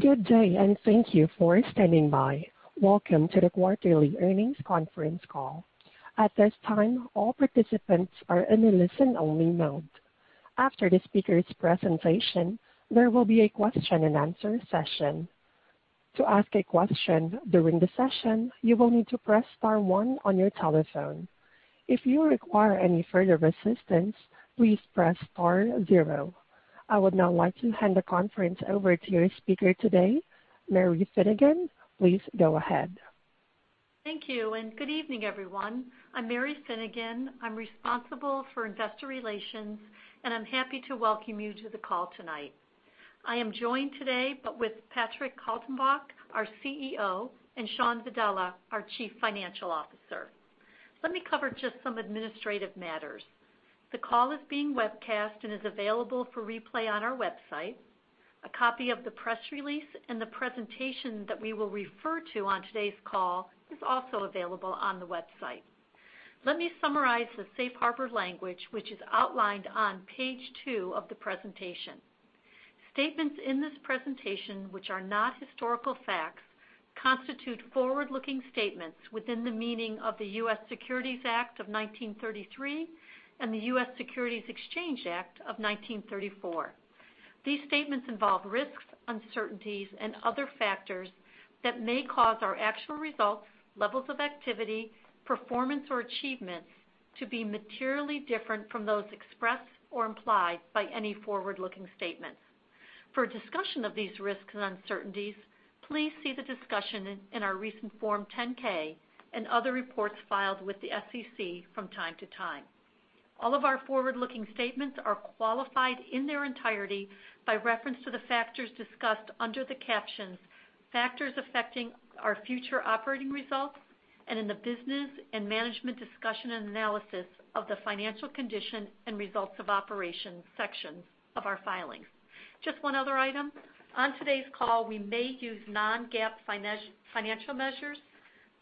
Good day, and thank you for standing by. Welcome to the quarterly earnings conference call. At this time, all participants are in a listen-only mode. After the speaker's presentation, there will be a question-and-answer session. To ask a question during the session, you will need to press star one on your telephone. If you require any further assistance, please press star zero. I would now like to hand the conference over to your speaker today, Mary Finnegan. Please go ahead. Thank you, and good evening, everyone. I'm Mary Finnegan. I'm responsible for investor relations, and I'm happy to welcome you to the call tonight. I am joined today with Patrick Kaltenbach, our CEO, and Shawn Vadala, our Chief Financial Officer. Let me cover just some administrative matters. The call is being webcast and is available for replay on our website. A copy of the press release and the presentation that we will refer to on today's call is also available on the website. Let me summarize the safe harbor language, which is outlined on page two of the presentation. Statements in this presentation, which are not historical facts, constitute forward-looking statements within the meaning of the U.S. Securities Act of 1933 and the U.S. Securities Exchange Act of 1934. These statements involve risks, uncertainties, and other factors that may cause our actual results, levels of activity, performance, or achievements to be materially different from those expressed or implied by any forward-looking statement. For a discussion of these risks and uncertainties, please see the discussion in our recent Form 10-K and other reports filed with the SEC from time to time. All of our forward-looking statements are qualified in their entirety by reference to the factors discussed under the captions Factors Affecting Our Future Operating Results and in the Business and Management Discussion and Analysis of the Financial Condition and Results of Operations sections of our filings. Just one other item. On today's call, we may use non-GAAP financial measures.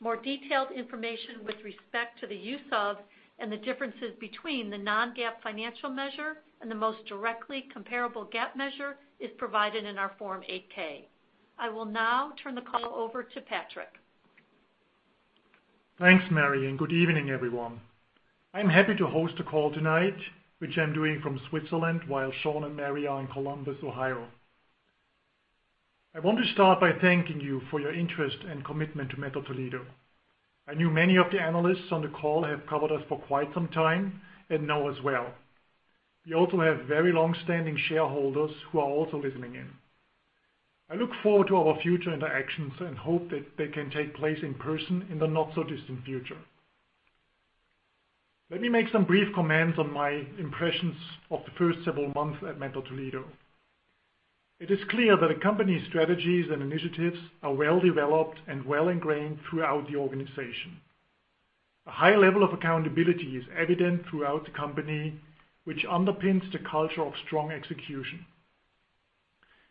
More detailed information with respect to the use of and the differences between the non-GAAP financial measure and the most directly comparable GAAP measure is provided in our Form 8-K. I will now turn the call over to Patrick. Thanks, Mary, and good evening, everyone. I'm happy to host the call tonight, which I'm doing from Switzerland while Shawn and Mary are in Columbus, Ohio. I want to start by thanking you for your interest and commitment to Mettler-Toledo. I know many of the analysts on the call have covered us for quite some time and know us well. We also have very long-standing shareholders who are also listening in. I look forward to our future interactions and hope that they can take place in person in the not-so-distant future. Let me make some brief comments on my impressions of the first several months at Mettler-Toledo. It is clear that the company's strategies and initiatives are well-developed and well-ingrained throughout the organization. A high level of accountability is evident throughout the company, which underpins the culture of strong execution.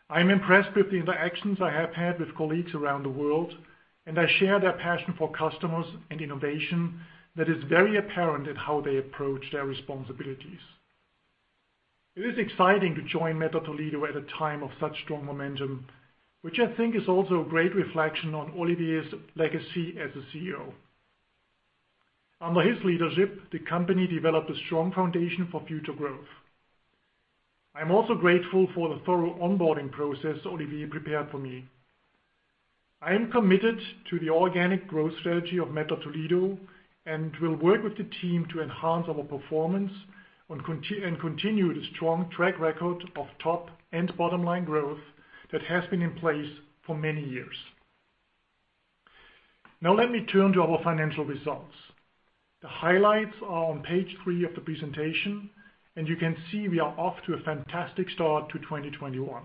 I am impressed with the interactions I have had with colleagues around the world, and I share their passion for customers and innovation that is very apparent in how they approach their responsibilities. It is exciting to join Mettler-Toledo at a time of such strong momentum, which I think is also a great reflection on Olivier's legacy as the CEO. Under his leadership, the company developed a strong foundation for future growth. I am also grateful for the thorough onboarding process Olivier prepared for me. I am committed to the organic growth strategy of Mettler-Toledo and will work with the team to enhance our performance and continue the strong track record of top and bottom-line growth that has been in place for many years. Let me turn to our financial results. The highlights are on page three of the presentation, and you can see we are off to a fantastic start to 2021.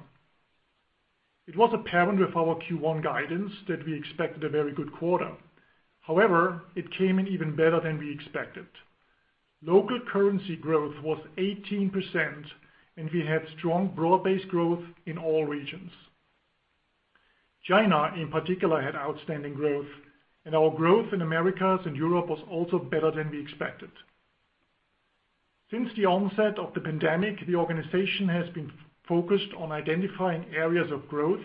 It was apparent with our Q1 guidance that we expected a very good quarter. However, it came in even better than we expected. Local currency growth was 18%, and we had strong broad-based growth in all regions. China, in particular, had outstanding growth, and our growth in Americas and Europe was also better than we expected. Since the onset of the pandemic, the organization has been focused on identifying areas of growth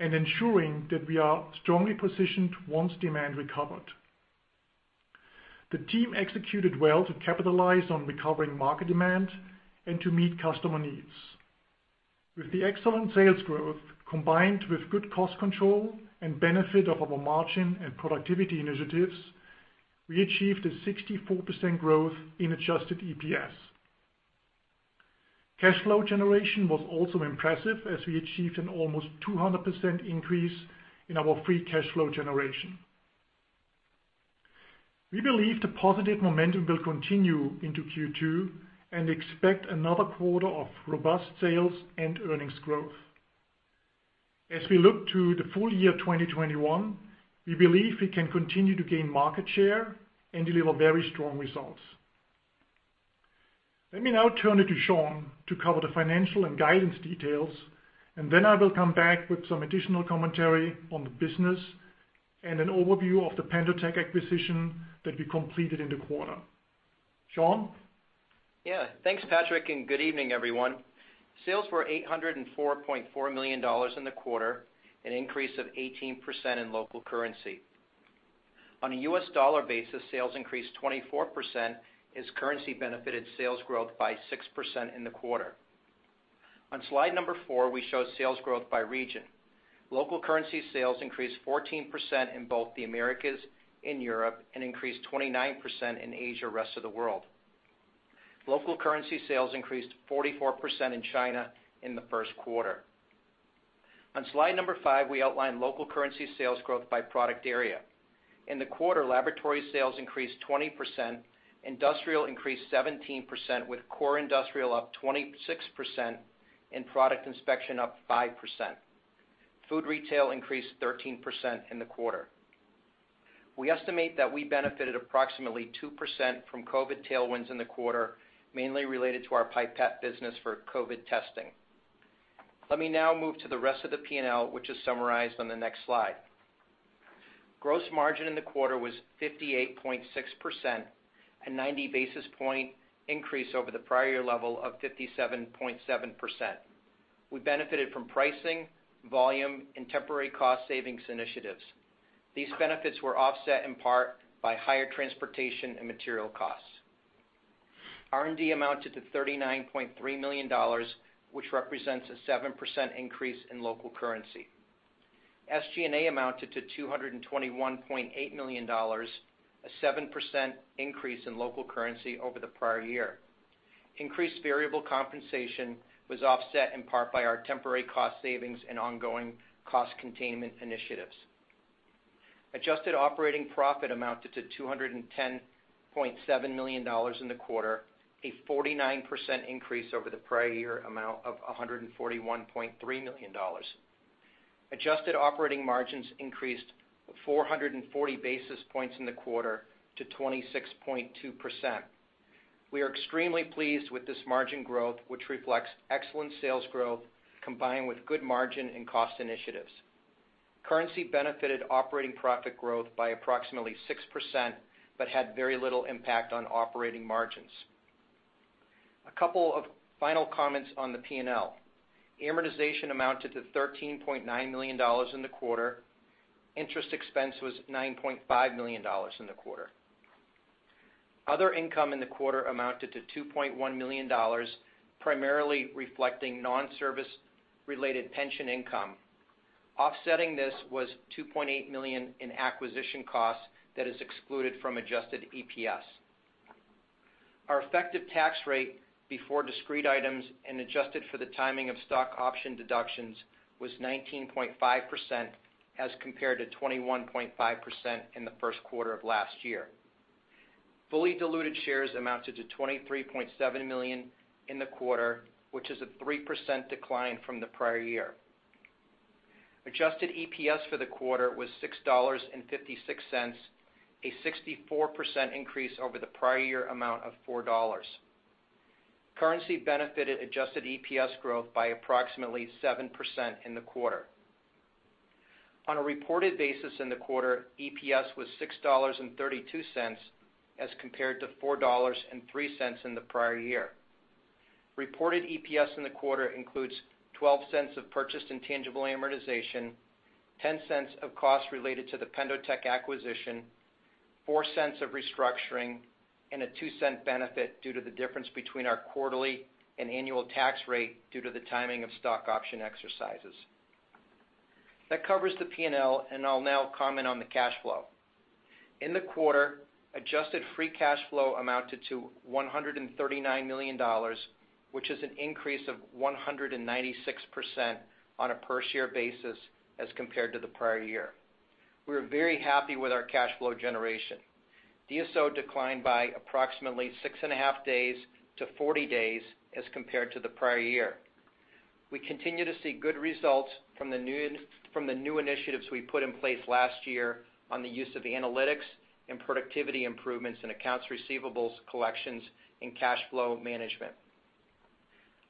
and ensuring that we are strongly positioned once demand recovered. The team executed well to capitalize on recovering market demand and to meet customer needs. With the excellent sales growth, combined with good cost control and benefit of our margin and productivity initiatives, we achieved a 64% growth in adjusted EPS. Cash flow generation was also impressive as we achieved an almost 200% increase in our free cash flow generation. We believe the positive momentum will continue into Q2 and expect another quarter of robust sales and earnings growth. As we look to the full year 2021, we believe we can continue to gain market share and deliver very strong results. Let me now turn it to Shawn to cover the financial and guidance details, and then I will come back with some additional commentary on the business and an overview of the PendoTECH acquisition that we completed in the quarter. Shawn? Yeah. Thanks, Patrick, and good evening, everyone. Sales were $804.4 million in the quarter, an increase of 18% in local currency. On a U.S. dollar basis, sales increased 24% as currency benefited sales growth by 6% in the quarter. On slide number four, we show sales growth by region. Local currency sales increased 14% in both the Americas and Europe and increased 29% in Asia, rest of the world. Local currency sales increased 44% in China in the first quarter. On slide number five, we outline local currency sales growth by product area. In the quarter, laboratory sales increased 20%, industrial increased 17%, with core industrial up 26% and Product Inspection up 5%. Food Retail increased 13% in the quarter. We estimate that we benefited approximately 2% from COVID tailwinds in the quarter, mainly related to our pipette business for COVID testing. Let me now move to the rest of the P&L, which is summarized on the next slide. Gross margin in the quarter was 58.6%, a 90-basis-point increase over the prior year level of 57.7%. We benefited from pricing, volume, and temporary cost savings initiatives. These benefits were offset in part by higher transportation and material costs. R&D amounted to $39.3 million, which represents a 7% increase in local currency. SG&A amounted to $221.8 million, a 7% increase in local currency over the prior year. Increased variable compensation was offset in part by our temporary cost savings and ongoing cost containment initiatives. Adjusted operating profit amounted to $210.7 million in the quarter, a 49% increase over the prior year amount of $141.3 million. Adjusted operating margins increased 440 basis points in the quarter to 26.2%. We are extremely pleased with this margin growth, which reflects excellent sales growth combined with good margin and cost initiatives. Currency benefited operating profit growth by approximately 6% but had very little impact on operating margins. A couple of final comments on the P&L. Amortization amounted to $13.9 million in the quarter. Interest expense was $9.5 million in the quarter. Other income in the quarter amounted to $2.1 million, primarily reflecting non-service related pension income. Offsetting this was $2.8 million in acquisition costs that is excluded from adjusted EPS. Our effective tax rate before discrete items and adjusted for the timing of stock option deductions was 19.5% as compared to 21.5% in the first quarter of last year. Fully diluted shares amounted to 23.7 million in the quarter, which is a 3% decline from the prior year. Adjusted EPS for the quarter was $6.56, a 64% increase over the prior year amount of $4. Currency benefited adjusted EPS growth by approximately 7% in the quarter. On a reported basis in the quarter, EPS was $6.32 as compared to $4.03 in the prior year. Reported EPS in the quarter includes $0.12 of purchased intangible amortization, $0.10 of costs related to the PendoTECH acquisition, $0.04 of restructuring, and a $0.02 benefit due to the difference between our quarterly and annual tax rate due to the timing of stock option exercises. That covers the P&L, and I'll now comment on the cash flow. In the quarter, adjusted free cash flow amounted to $139 million, which is an increase of 196% on a per-share basis as compared to the prior year. We are very happy with our cash flow generation. DSO declined by approximately six and a half days to 40 days as compared to the prior year. We continue to see good results from the new initiatives we put in place last year on the use of analytics and productivity improvements in accounts receivables collections and cash flow management.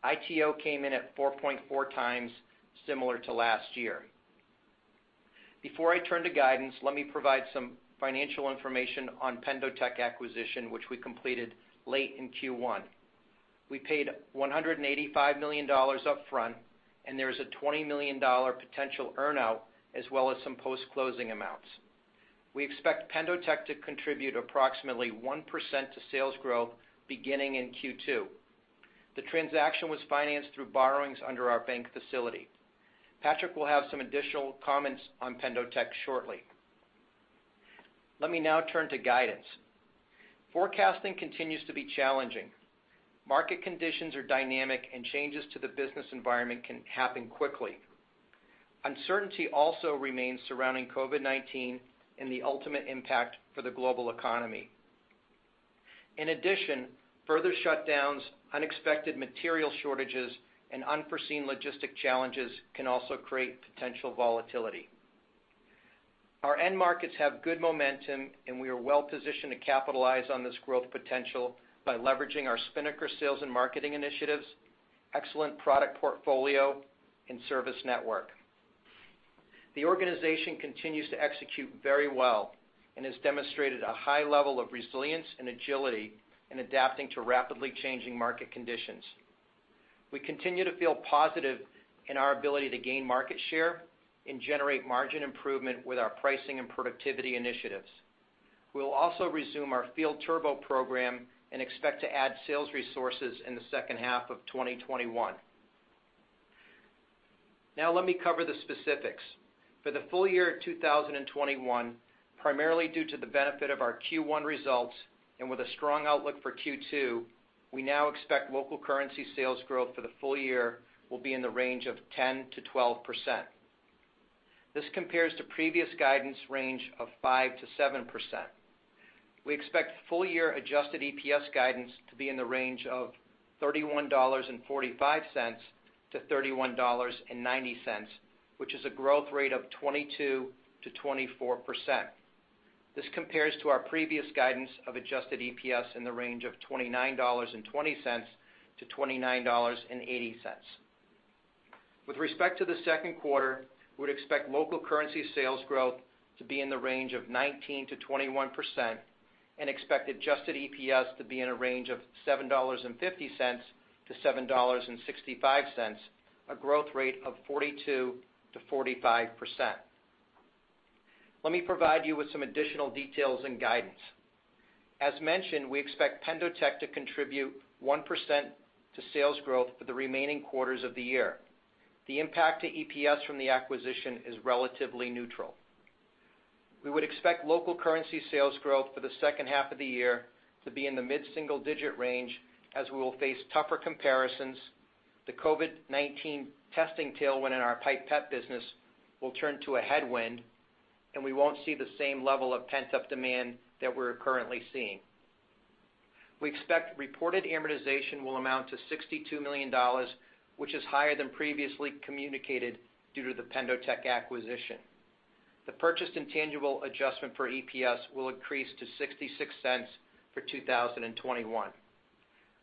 ITO came in at 4.4x, similar to last year. Before I turn to guidance, let me provide some financial information on PendoTECH acquisition, which we completed late in Q1. We paid $185 million up front, and there is a $20 million potential earn-out, as well as some post-closing amounts. We expect PendoTECH to contribute approximately 1% to sales growth beginning in Q2. The transaction was financed through borrowings under our bank facility. Patrick will have some additional comments on PendoTECH shortly. Let me now turn to guidance. Forecasting continues to be challenging. Market conditions are dynamic, and changes to the business environment can happen quickly. Uncertainty also remains surrounding COVID-19 and the ultimate impact for the global economy. In addition, further shutdowns, unexpected material shortages, and unforeseen logistic challenges can also create potential volatility. Our end markets have good momentum, and we are well positioned to capitalize on this growth potential by leveraging our Spinnaker sales and marketing initiatives, excellent product portfolio, and service network. The organization continues to execute very well and has demonstrated a high level of resilience and agility in adapting to rapidly changing market conditions. We continue to feel positive in our ability to gain market share and generate margin improvement with our pricing and productivity initiatives. We'll also resume our Field Turbo program and expect to add sales resources in the second half of 2021. Now let me cover the specifics. For the full year of 2021, primarily due to the benefit of our Q1 results and with a strong outlook for Q2, we now expect local currency sales growth for the full year will be in the range of 10%-12%. This compares to previous guidance range of 5%-7%. We expect full year adjusted EPS guidance to be in the range of $31.45-$31.90, which is a growth rate of 22%-24%. This compares to our previous guidance of adjusted EPS in the range of $29.20-$29.80. With respect to the second quarter, we would expect local currency sales growth to be in the range of 19%-21% and expect adjusted EPS to be in a range of $7.50-$7.65, a growth rate of 42%-45%. Let me provide you with some additional details and guidance. As mentioned, we expect PendoTECH to contribute 1% to sales growth for the remaining quarters of the year. The impact to EPS from the acquisition is relatively neutral. We would expect local currency sales growth for the second half of the year to be in the mid-single-digit range, as we will face tougher comparisons, the COVID-19 testing tailwind in our pipette business will turn to a headwind, and we won't see the same level of pent-up demand that we're currently seeing. We expect reported amortization will amount to $62 million, which is higher than previously communicated due to the PendoTECH acquisition. The purchased intangible adjustment for EPS will increase to $0.66 for 2021.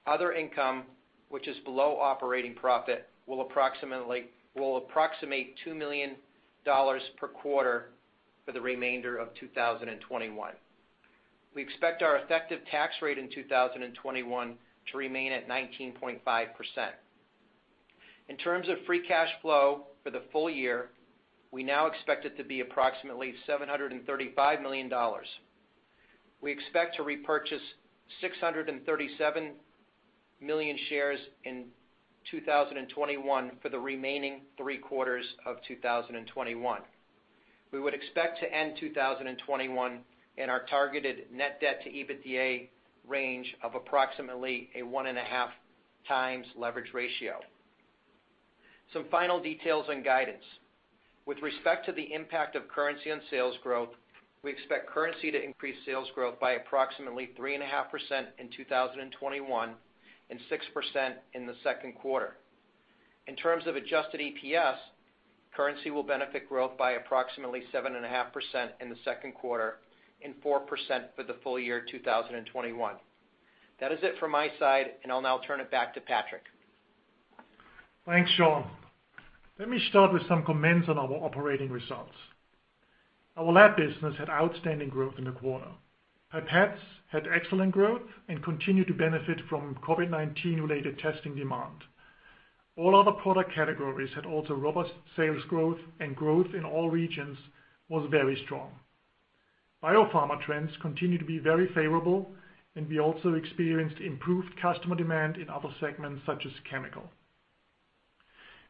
Other income, which is below operating profit, will approximate $2 million per quarter for the remainder of 2021. We expect our effective tax rate in 2021 to remain at 19.5%. In terms of free cash flow for the full year, we now expect it to be approximately $735 million. We expect to repurchase 637 million shares in 2021 for the remaining three quarters of 2021. We would expect to end 2021 in our targeted net debt to EBITDA range of approximately a 1.5x Leverage ratio. Some final details and guidance. With respect to the impact of currency on sales growth, we expect currency to increase sales growth by approximately 3.5% in 2021 and 6% in the second quarter. In terms of adjusted EPS, currency will benefit growth by approximately 7.5% in the second quarter and 4% for the full year 2021. That is it from my side, and I'll now turn it back to Patrick. Thanks, Shawn. Let me start with some comments on our operating results. Our lab business had outstanding growth in the quarter. pipettes had excellent growth and continued to benefit from COVID-19 related testing demand. All other product categories had also robust sales growth, and growth in all regions was very strong. Biopharma trends continue to be very favorable, and we also experienced improved customer demand in other segments such as chemical.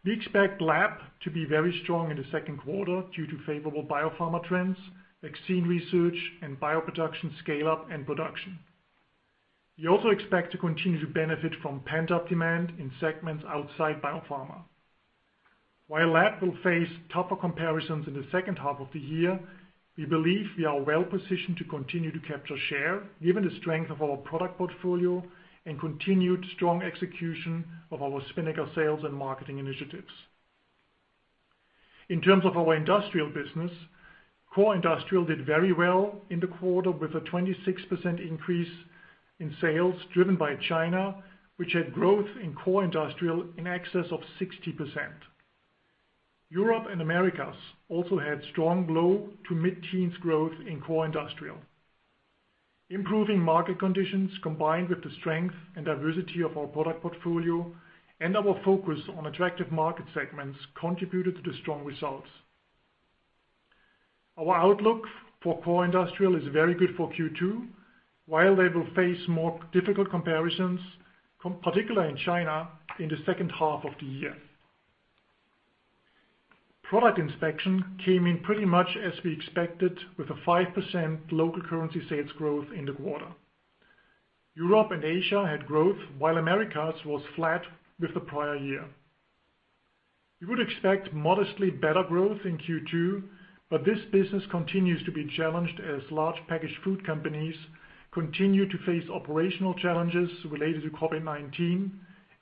We expect lab to be very strong in the second quarter due to favorable biopharma trends, vaccine research, and bioproduction scale-up and production. We also expect to continue to benefit from pent-up demand in segments outside biopharma. While lab will face tougher comparisons in the second half of the year, we believe we are well positioned to continue to capture share, given the strength of our product portfolio and continued strong execution of our Spinnaker sales and marketing initiatives. In terms of our industrial business, core industrial did very well in the quarter with a 26% increase in sales driven by China, which had growth in core industrial in excess of 60%. Europe and Americas also had strong low to mid-teens growth in core industrial. Improving market conditions, combined with the strength and diversity of our product portfolio and our focus on attractive market segments, contributed to the strong results. Our outlook for core industrial is very good for Q2, while they will face more difficult comparisons, particularly in China, in the second half of the year. Product Inspection came in pretty much as we expected, with a 5% local currency sales growth in the quarter. Europe and Asia had growth while Americas was flat with the prior year. We would expect modestly better growth in Q2, but this business continues to be challenged as large packaged food companies continue to face operational challenges related to COVID-19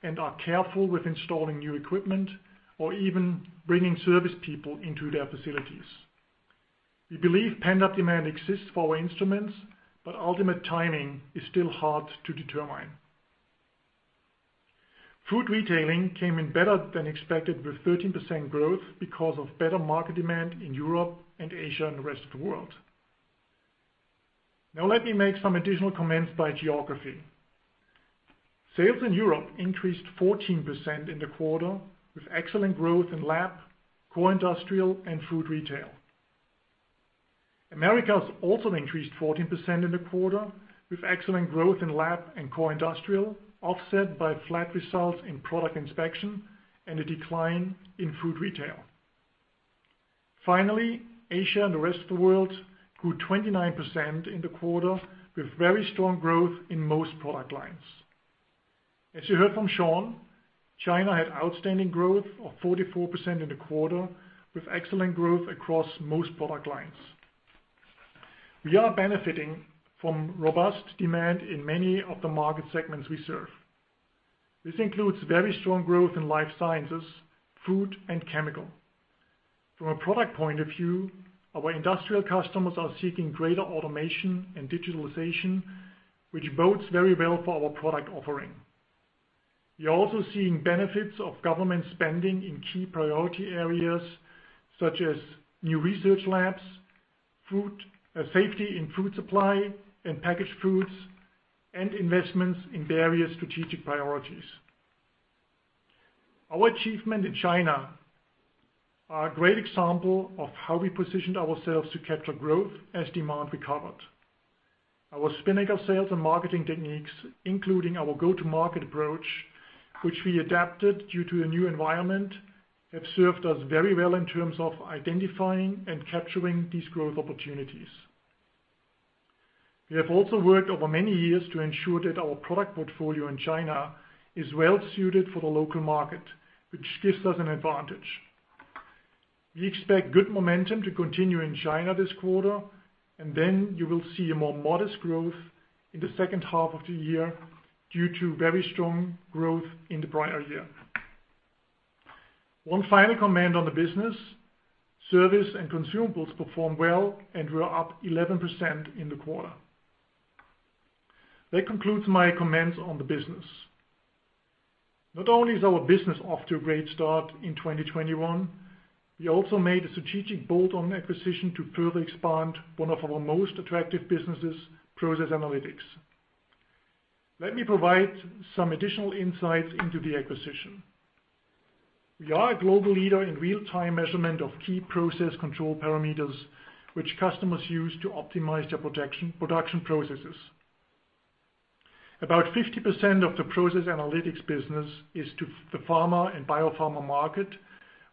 and are careful with installing new equipment or even bringing service people into their facilities. We believe pent-up demand exists for our instruments, but ultimate timing is still hard to determine. Food Retail came in better than expected with 13% growth because of better market demand in Europe and Asia and the rest of the world. Let me make some additional comments by geography. Sales in Europe increased 14% in the quarter, with excellent growth in lab, core industrial, and Food Retail. Americas also increased 14% in the quarter, with excellent growth in lab and core industrial, offset by flat results in Product Inspection and a decline in Food Retail. Finally, Asia and the rest of the world grew 29% in the quarter, with very strong growth in most product lines. As you heard from Shawn, China had outstanding growth of 44% in the quarter, with excellent growth across most product lines. We are benefiting from robust demand in many of the market segments we serve. This includes very strong growth in life sciences, food, and chemical. From a product point of view, our industrial customers are seeking greater automation and digitalization, which bodes very well for our product offering. We are also seeing benefits of government spending in key priority areas such as new research labs, safety in food supply and packaged foods, and investments in various strategic priorities. Our achievement in China are a great example of how we positioned ourselves to capture growth as demand recovered. Our Spinnaker sales and marketing techniques, including our go-to-market approach, which we adapted due to the new environment, have served us very well in terms of identifying and capturing these growth opportunities. We have also worked over many years to ensure that our product portfolio in China is well-suited for the local market, which gives us an advantage. We expect good momentum to continue in China this quarter, and then you will see a more modest growth in the second half of the year due to very strong growth in the prior year. One final comment on the business. Service and consumables performed well and were up 11% in the quarter. That concludes my comments on the business. Not only is our business off to a great start in 2021, we also made a strategic bolt-on acquisition to further expand one of our most attractive businesses, process analytics. Let me provide some additional insights into the acquisition. We are a global leader in real-time measurement of key process control parameters which customers use to optimize their production processes. About 50% of the Process Analytics business is to the pharma and biopharma market,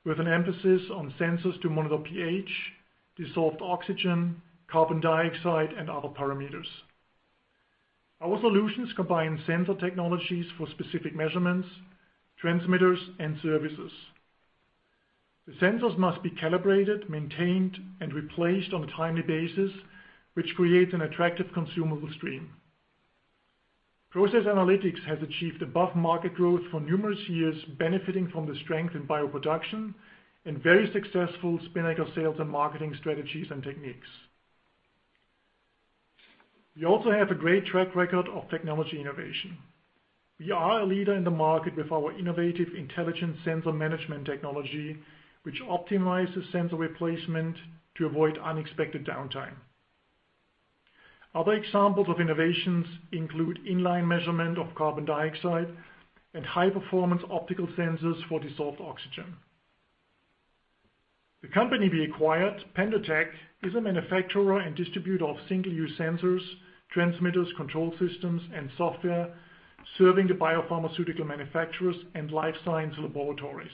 with an emphasis on sensors to monitor pH, dissolved oxygen, carbon dioxide, and other parameters. Our solutions combine sensor technologies for specific measurements, transmitters, and services. The sensors must be calibrated, maintained, and replaced on a timely basis, which creates an attractive consumable stream. Process Analytics has achieved above-market growth for numerous years, benefiting from the strength in bioproduction and very successful Spinnaker sales and marketing strategies and techniques. We also have a great track record of technology innovation. We are a leader in the market with our innovative, Intelligent Sensor Management technology, which optimizes sensor replacement to avoid unexpected downtime. Other examples of innovations include in-line measurement of carbon dioxide and high-performance optical sensors for dissolved oxygen. The company we acquired, PendoTECH, is a manufacturer and distributor of single-use sensors, transmitters, control systems, and software serving the biopharmaceutical manufacturers and life science laboratories.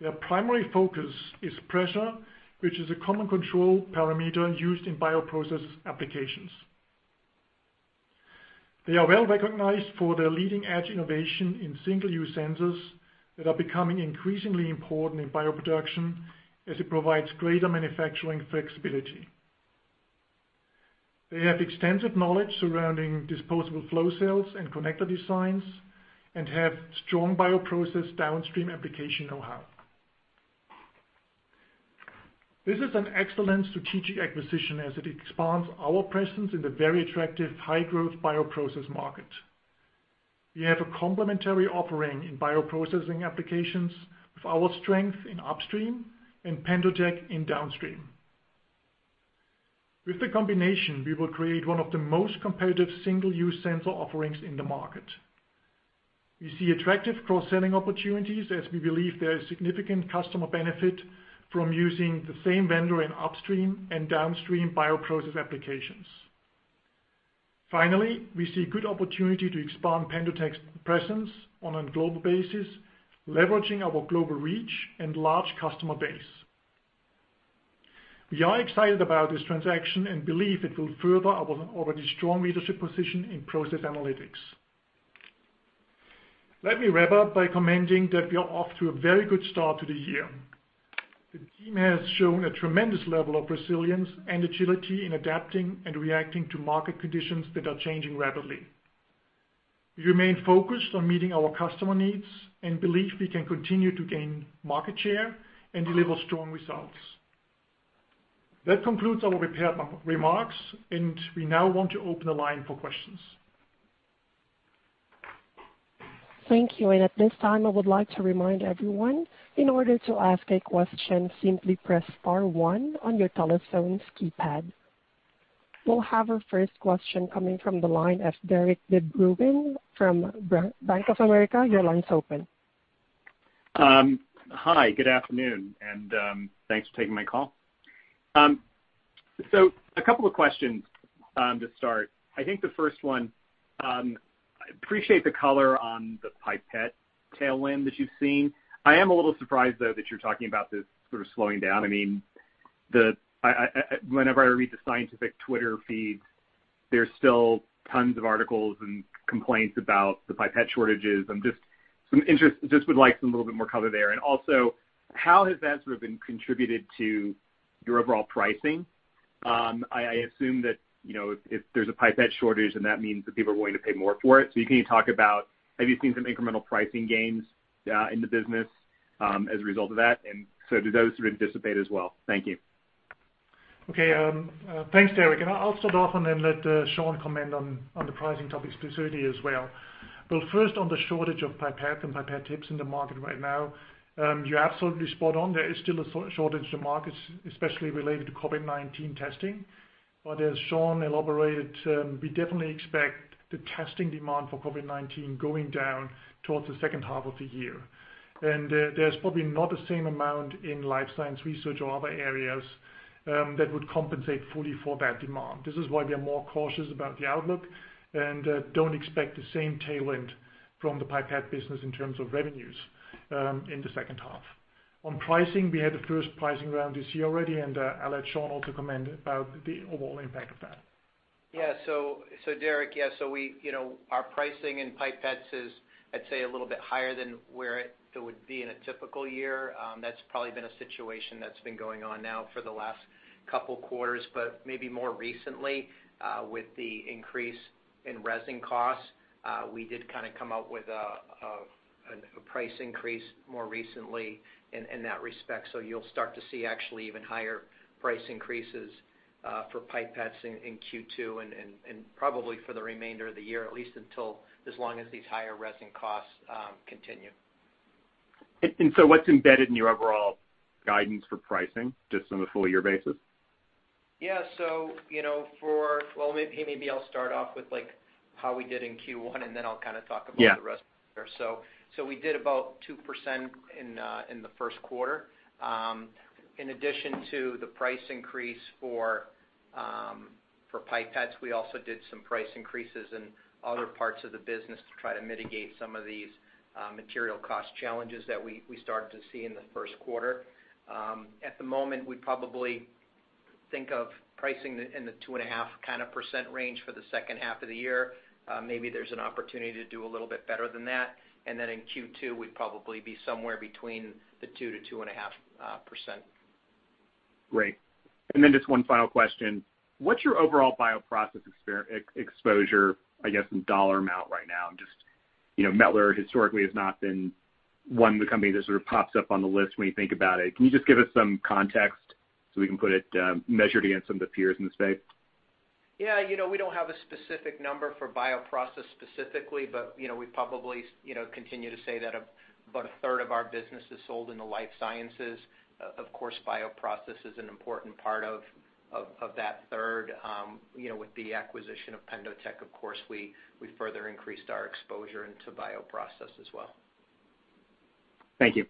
Their primary focus is pressure, which is a common control parameter used in bioprocess applications. They are well-recognized for their leading-edge innovation in single-use sensors that are becoming increasingly important in bioproduction as it provides greater manufacturing flexibility. They have extensive knowledge surrounding disposable flow cells and connector designs and have strong bioprocess downstream application know-how. This is an excellent strategic acquisition as it expands our presence in the very attractive, high-growth bioprocess market. We have a complementary offering in bioprocessing applications with our strength in upstream and PendoTECH in downstream. With the combination, we will create one of the most competitive single-use sensor offerings in the market. We see attractive cross-selling opportunities as we believe there is significant customer benefit from using the same vendor in upstream and downstream bioprocess applications. Finally, we see good opportunity to expand PendoTECH's presence on a global basis, leveraging our global reach and large customer base. We are excited about this transaction and believe it will further our already strong leadership position in process analytics. Let me wrap up by commenting that we are off to a very good start to the year. The team has shown a tremendous level of resilience and agility in adapting and reacting to market conditions that are changing rapidly. We remain focused on meeting our customer needs and believe we can continue to gain market share and deliver strong results. That concludes our prepared remarks, and we now want to open the line for questions. Thank you. At this time, I would like to remind everyone, in order to ask a question, simply press star one on your telephone's keypad. We'll have our first question coming from the line of Derik De Bruin from Bank of America. Your line's open. Hi, good afternoon, and thanks for taking my call. A couple of questions to start. I think the first one, I appreciate the color on the pipette tailwind that you've seen. I am a little surprised, though, that you're talking about this sort of slowing down. Whenever I read the scientific Twitter feeds, there's still tons of articles and complaints about the pipette shortages. I just would like some little bit more color there. Also, how has that sort of been contributed to your overall pricing? I assume that, if there's a pipette shortage, then that means that people are willing to pay more for it. Can you talk about, have you seen some incremental pricing gains in the business as a result of that, and so do those sort of dissipate as well? Thank you. Okay, thanks, Derik. I'll start off and then let Shawn comment on the pricing topic specifically as well. First, on the shortage of pipettes and pipette tips in the market right now, you're absolutely spot on. There is still a shortage in the markets, especially related to COVID-19 testing. As Shawn elaborated, we definitely expect the testing demand for COVID-19 going down towards the second half of the year. There's probably not the same amount in life science research or other areas that would compensate fully for that demand. This is why we are more cautious about the outlook and don't expect the same tailwind from the pipette business in terms of revenues in the second half. On pricing, we had the first pricing round this year already. I'll let Shawn also comment about the overall impact of that. Yeah. Derik, our pricing in pipettes is, I'd say, a little bit higher than where it would be in a typical year. That's probably been a situation that's been going on now for the last couple of quarters. Maybe more recently, with the increase in resin costs, we did kind of come out with a price increase more recently in that respect. You'll start to see actually even higher price increases for pipettes in Q2 and probably for the remainder of the year, at least until as long as these higher resin costs continue. What's embedded in your overall guidance for pricing, just on a full-year basis? Yeah. Maybe I'll start off with how we did in Q1, and then I'll kind of talk about- Yeah. the rest. We did about 2% in the first quarter. In addition to the price increase for pipettes, we also did some price increases in other parts of the business to try to mitigate some of these material cost challenges that we started to see in the first quarter. At the moment, we probably think of pricing in the 2.5% range for the second half of the year. Maybe there's an opportunity to do a little bit better than that. In Q2, we'd probably be somewhere between the 2%-2.5%. Great. Just one final question. What's your overall bioprocess exposure, I guess, in dollar amount right now? Mettler historically has not been one of the companies that sort of pops up on the list when you think about it. Can you just give us some context so we can put it measured against some of the peers in the space? Yeah. We don't have a specific number for bioprocess specifically, but we probably continue to say that about a third of our business is sold in the life sciences. Of course, bioprocess is an important part of that third. With the acquisition of PendoTECH, of course, we further increased our exposure into bioprocess as well. Thank you.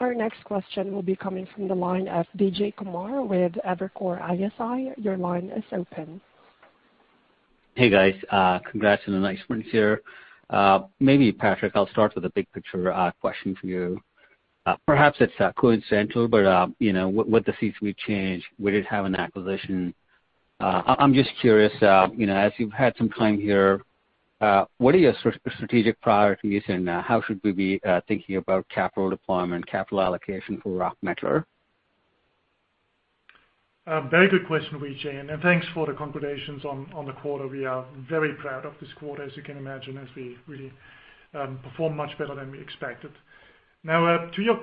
Our next question will be coming from the line of Vijay Kumar with Evercore ISI. Your line is open. Hey, guys. Congrats on a nice quarter here. Maybe, Patrick, I'll start with a big picture question for you. Perhaps it's coincidental, but with the C-suite change, we did have an acquisition. I'm just curious, as you've had some time here, what are your strategic priorities and how should we be thinking about capital deployment, capital allocation for Mettler? A very good question, Vijay, and thanks for the congratulations on the quarter. We are very proud of this quarter, as you can imagine, as we really performed much better than we expected. Now, to your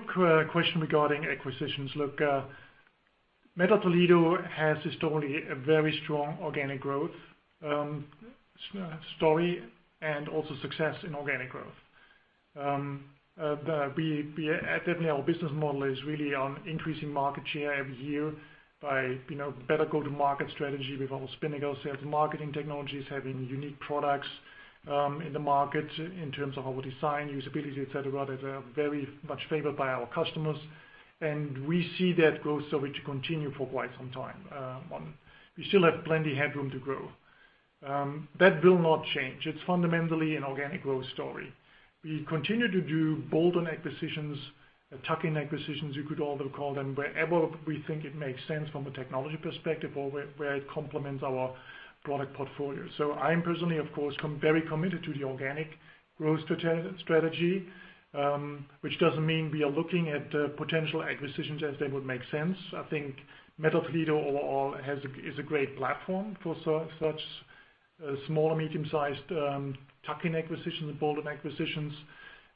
question regarding acquisitions, look, Mettler-Toledo has historically a very strong organic growth story and also success in organic growth. Definitely our business model is really on increasing market share every year by better go-to-market strategy with our Spinnaker sales marketing technologies, having unique products in the market in terms of our design, usability, et cetera, that are very much favored by our customers, and we see that growth story to continue for quite some time. We still have plenty of headroom to grow. That will not change. It's fundamentally an organic growth story. We continue to do bold acquisitions, tuck-in acquisitions you could also call them, wherever we think it makes sense from a technology perspective or where it complements our product portfolio. I am personally, of course, very committed to the organic growth strategy, which doesn't mean we are looking at potential acquisitions as they would make sense. I think Mettler-Toledo overall is a great platform for such small or medium-sized tuck-in acquisitions and bolt-on acquisitions.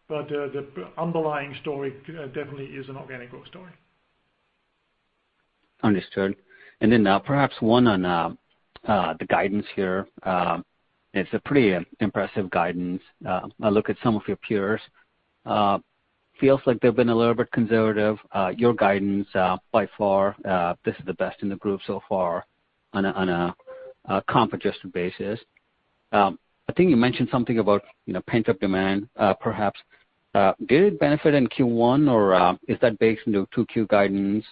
The underlying story definitely is an organic growth story. Understood. Perhaps one on the guidance here. It's a pretty impressive guidance. I look at some of your peers. Feels like they've been a little bit conservative. Your guidance, by far, this is the best in the group so far on a comp adjusted basis. I think you mentioned something about pent-up demand, perhaps. Did it benefit in Q1, or is that based into Q2 guidance,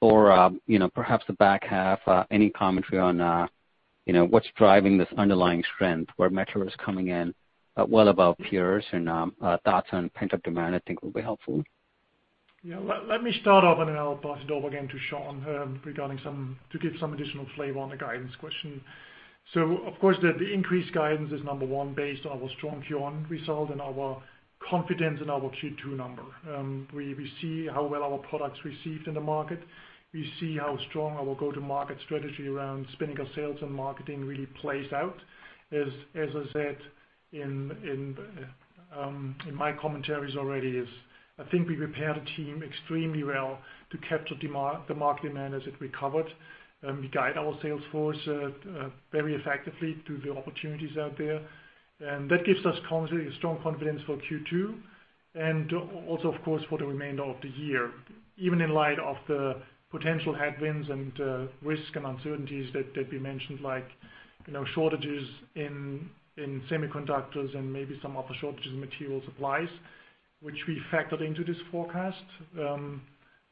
or perhaps the back half? Any commentary on what's driving this underlying strength where Mettler-Toledo is coming in well above peers and thoughts on pent-up demand, I think, will be helpful. Yeah. Let me start off, and then I'll pass it over again to Shawn to give some additional flavor on the guidance question. Of course, the increased guidance is number one based on our strong Q1 result and our confidence in our Q2 number. We see how well our product's received in the market. We see how strong our go-to-market strategy around Spinnaker sales and marketing really plays out. As I said in my commentaries already is, I think we prepared the team extremely well to capture demand, the market demand, as it recovered. We guide our sales force very effectively through the opportunities out there. That gives us strong confidence for Q2 and also, of course, for the remainder of the year. Even in light of the potential headwinds and risks and uncertainties that we mentioned, like shortages in semiconductors and maybe some other shortages in material supplies, which we factored into this forecast.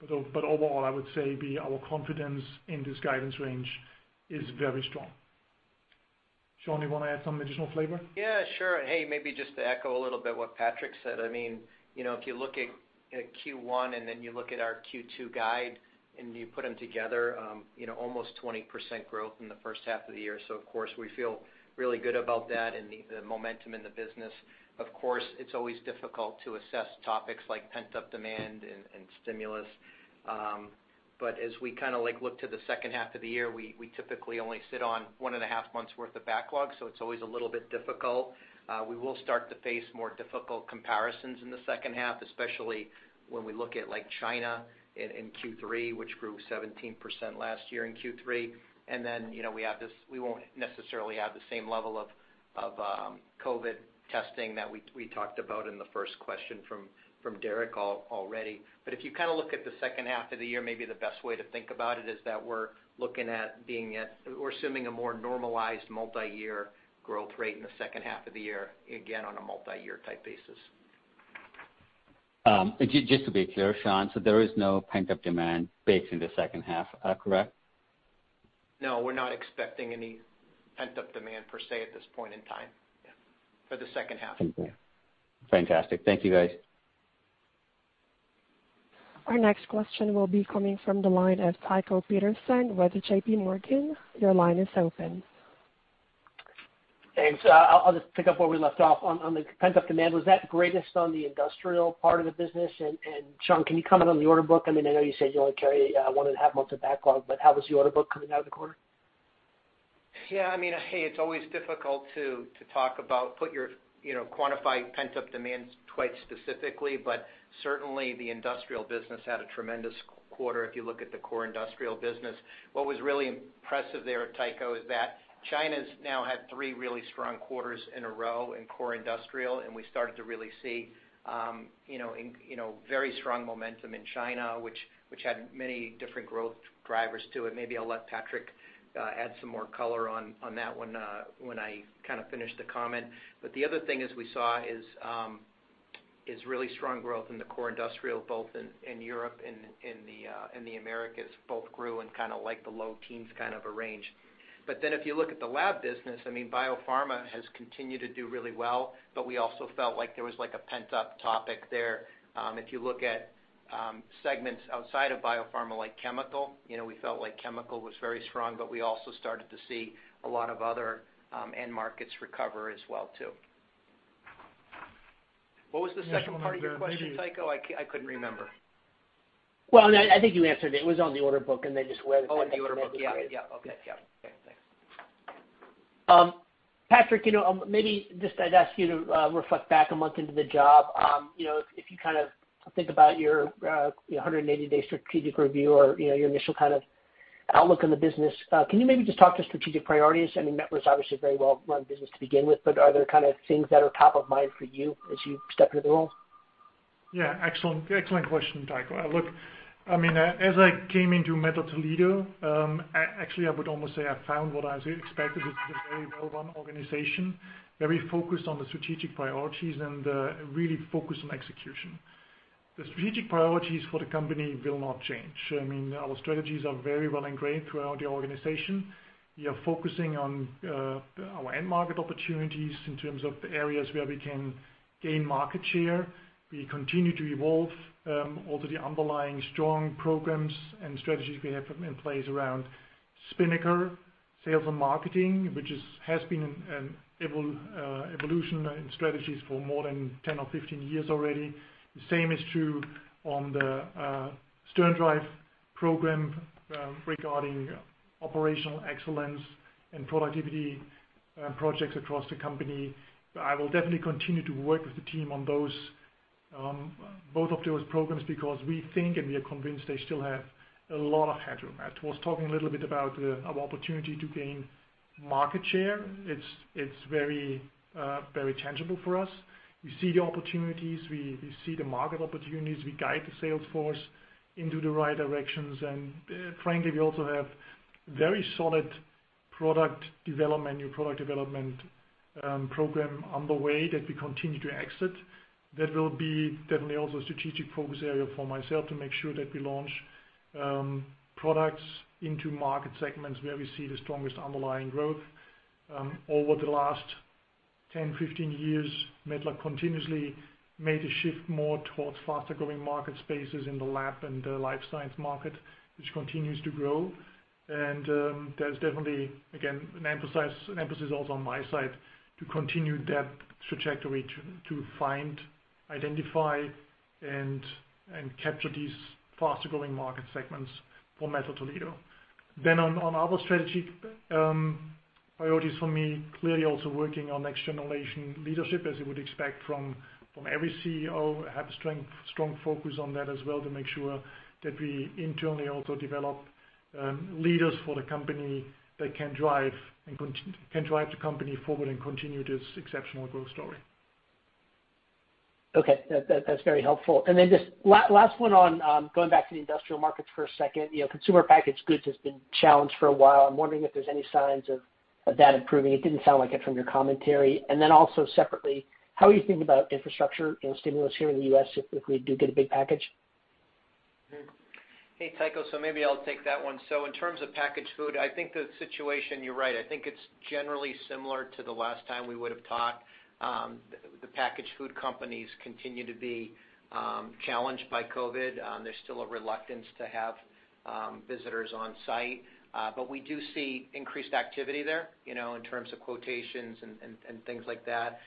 Overall, I would say our confidence in this guidance range is very strong. Shawn, you want to add some additional flavor? Yeah, sure. Hey, maybe just to echo a little bit what Patrick said. If you look at Q1 and then you look at our Q2 guide and you put them together, almost 20% growth in the first half of the year. Of course, we feel really good about that and the momentum in the business. Of course, it's always difficult to assess topics like pent-up demand and stimulus. As we look to the second half of the year, we typically only sit on one and a half months worth of backlog, so it's always a little bit difficult. We will start to face more difficult comparisons in the second half, especially when we look at China in Q3, which grew 17% last year in Q3. We won't necessarily have the same level of COVID testing that we talked about in the first question from Derik already. If you look at the second half of the year, maybe the best way to think about it is that we're assuming a more normalized multiyear growth rate in the second half of the year, again, on a multiyear type basis. Just to be clear, Shawn, there is no pent-up demand based in the second half, correct? No, we're not expecting any pent-up demand, per se, at this point in time. Yeah. For the second half. Okay. Fantastic. Thank you, guys. Our next question will be coming from the line of Tycho Peterson with JPMorgan. Your line is open. Thanks. I'll just pick up where we left off. On the pent-up demand, was that greatest on the industrial part of the business? Shawn, can you comment on the order book? I know you said you only carry one and a half months of backlog, but how was your order book coming out of the quarter? It's always difficult to talk about quantifying pent-up demands quite specifically, but certainly the industrial business had a tremendous quarter if you look at the core industrial business. What was really impressive there, Tycho, is that China's now had three really strong quarters in a row in core industrial, and we started to really see very strong momentum in China, which had many different growth drivers to it. Maybe I'll let Patrick add some more color on that one when I finish the comment. The other thing is we saw is really strong growth in the core industrial, both in Europe and the Americas, both grew in the low teens range. If you look at the lab business, biopharma has continued to do really well, but we also felt like there was a pent-up topic there. If you look at segments outside of biopharma, like chemical. We felt like chemical was very strong, but we also started to see a lot of other end markets recover as well, too. What was the second part of your question, Tycho? I couldn't remember. Well, I think you answered it. It was on the order book, and then just where the pent-up demand was greatest. Oh, on the order book. Yeah. Okay. Yeah. Okay, thanks. Patrick, maybe just I'd ask you to reflect back a month into the job. If you think about your 180-day strategic review or your initial outlook on the business, can you maybe just talk to strategic priorities? Mettler is obviously a very well-run business to begin with, but are there things that are top of mind for you as you step into the role? Yeah, excellent question, Tycho Peterson. Look, as I came into Mettler-Toledo, actually, I would almost say I found what I expected, which is a very well-run organization, very focused on the strategic priorities, and really focused on execution. The strategic priorities for the company will not change. Our strategies are very well ingrained throughout the organization. We are focusing on our end market opportunities in terms of the areas where we can gain market share. We continue to evolve all the underlying strong programs and strategies we have in place around Spinnaker, sales and marketing, which has been an evolution in strategies for more than 10 or 15 years already. The same is true on the SternDrive program regarding operational excellence and productivity projects across the company. I will definitely continue to work with the team on both of those programs because we think, and we are convinced they still have a lot of headroom. It is very tangible for us. We see the opportunities, we see the market opportunities, we guide the sales force into the right directions. And frankly, we also have very solid new product development program underway that we continue to execute. That will be definitely also a strategic focus area for myself to make sure that we launch products into market segments where we see the strongest underlying growth. Over the last 10, 15 years, Mettler continuously made a shift more towards faster-growing market spaces in the lab and the life science market, which continues to grow. There's definitely, again, an emphasis also on my side to continue that trajectory to find, identify, and capture these faster-growing market segments for Mettler-Toledo. On other strategy priorities for me, clearly also working on next-generation leadership, as you would expect from every CEO. I have a strong focus on that as well to make sure that we internally also develop leaders for the company that can drive the company forward and continue this exceptional growth story. Okay. That's very helpful. Just last one on going back to the industrial markets for a second. Consumer packaged goods has been challenged for a while. I'm wondering if there's any signs of that improving. It didn't sound like it from your commentary. Also separately, how are you thinking about infrastructure and stimulus here in the U.S. if we do get a big package? Hey, Tycho. Maybe I'll take that one. In terms of packaged food, I think the situation, you're right. I think it's generally similar to the last time we would've talked. The packaged food companies continue to be challenged by COVID. There's still a reluctance to have visitors on site. We do see increased activity there, in terms of quotations and things like that.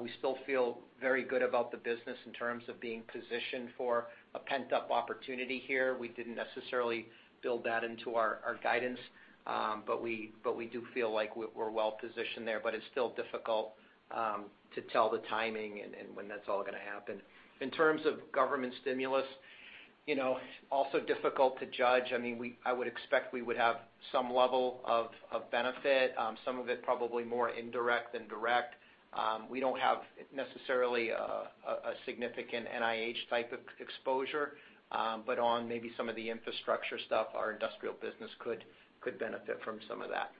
We still feel very good about the business in terms of being positioned for a pent-up opportunity here. We didn't necessarily build that into our guidance. We do feel like we're well-positioned there. It's still difficult to tell the timing and when that's all going to happen. In terms of government stimulus, also difficult to judge. I would expect we would have some level of benefit, some of it probably more indirect than direct. We don't have necessarily a significant NIH type of exposure. On maybe some of the infrastructure stuff, our industrial business could benefit from some of that.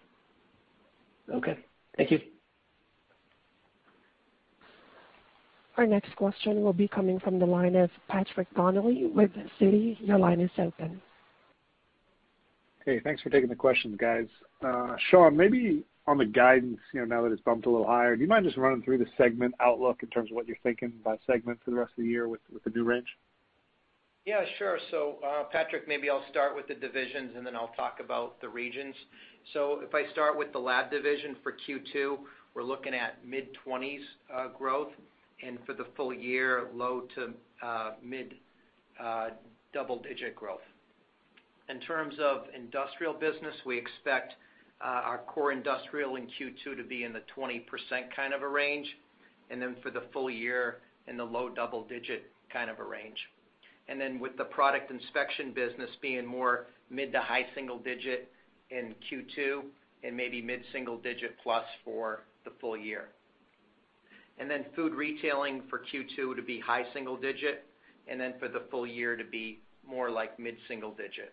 Okay. Thank you. Our next question will be coming from the line of Patrick Donnelly with Citi. Your line is open. Hey, thanks for taking the questions, guys. Shawn, maybe on the guidance, now that it's bumped a little higher, do you mind just running through the segment outlook in terms of what you're thinking by segment for the rest of the year with the new range? Yeah, sure. Patrick, maybe I'll start with the divisions and then I'll talk about the regions. If I start with the lab division for Q2, we're looking at mid-20s growth, and for the full year, low to mid-double-digit growth. In terms of industrial business, we expect our core industrial in Q2 to be in the 20% kind of a range, and for the full year in the low double digit kind of a range. With the Product Inspection business being more mid to high single digit in Q2 and maybe mid-single digit plus for the full year. Food Retail for Q2 to be high single digit, and for the full year to be more like mid-single digit.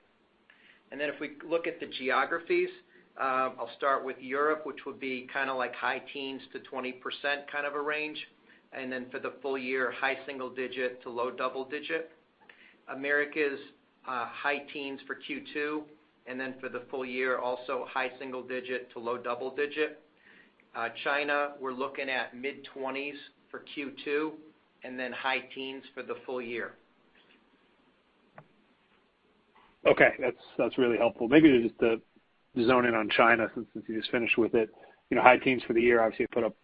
If we look at the geographies, I'll start with Europe, which would be kind of like high teens to 20%. For the full year, high single digit to low double digit. Americas, high teens for Q2, for the full year, also high single digit to low double digit. China, we're looking at mid-20s for Q2, high teens for the full year. Okay. That's really helpful. Maybe just to zone in on China since you just finished with it. High teens% for the year, obviously put up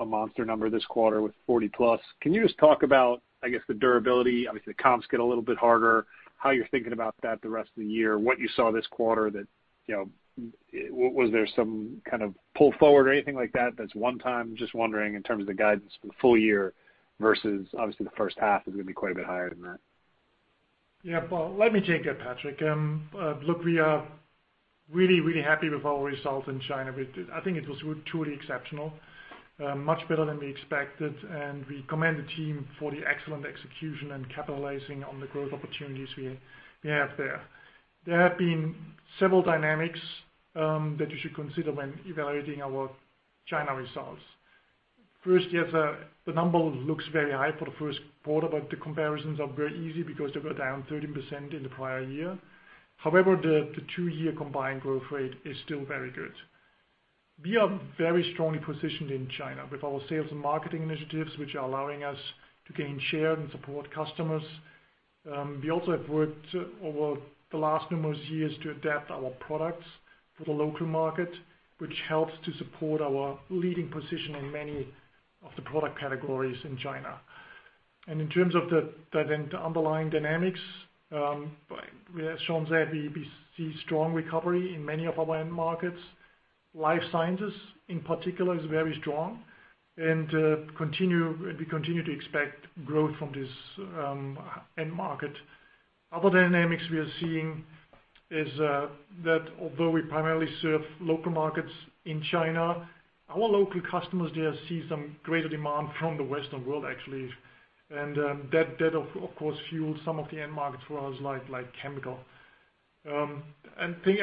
a monster number this quarter with 40%+. Can you just talk about, I guess, the durability? Obviously, the comps get a little bit harder, how you're thinking about that the rest of the year, what you saw this quarter. Was there some kind of pull forward or anything like that that's one time? Just wondering in terms of the guidance for the full year versus obviously the first half is going to be quite a bit higher than that. Yeah. Well, let me take it, Patrick. Look, we are really happy with our results in China. I think it was truly exceptional, much better than we expected, and we commend the team for the excellent execution and capitalizing on the growth opportunities we have there. There have been several dynamics that you should consider when evaluating our China results. First, the number looks very high for the first quarter, but the comparisons are very easy because they were down 13% in the prior year. However, the two-year combined growth rate is still very good. We are very strongly positioned in China with our sales and marketing initiatives, which are allowing us to gain share and support customers. We also have worked over the last numerous years to adapt our products for the local market, which helps to support our leading position in many of the product categories in China. In terms of the underlying dynamics, as Shawn said, we see strong recovery in many of our end markets. Life sciences, in particular, is very strong, and we continue to expect growth from this end market. Other dynamics we are seeing is that although we primarily serve local markets in China, our local customers there see some greater demand from the Western world, actually. That, of course, fuels some of the end markets for us, like chemical. Finally,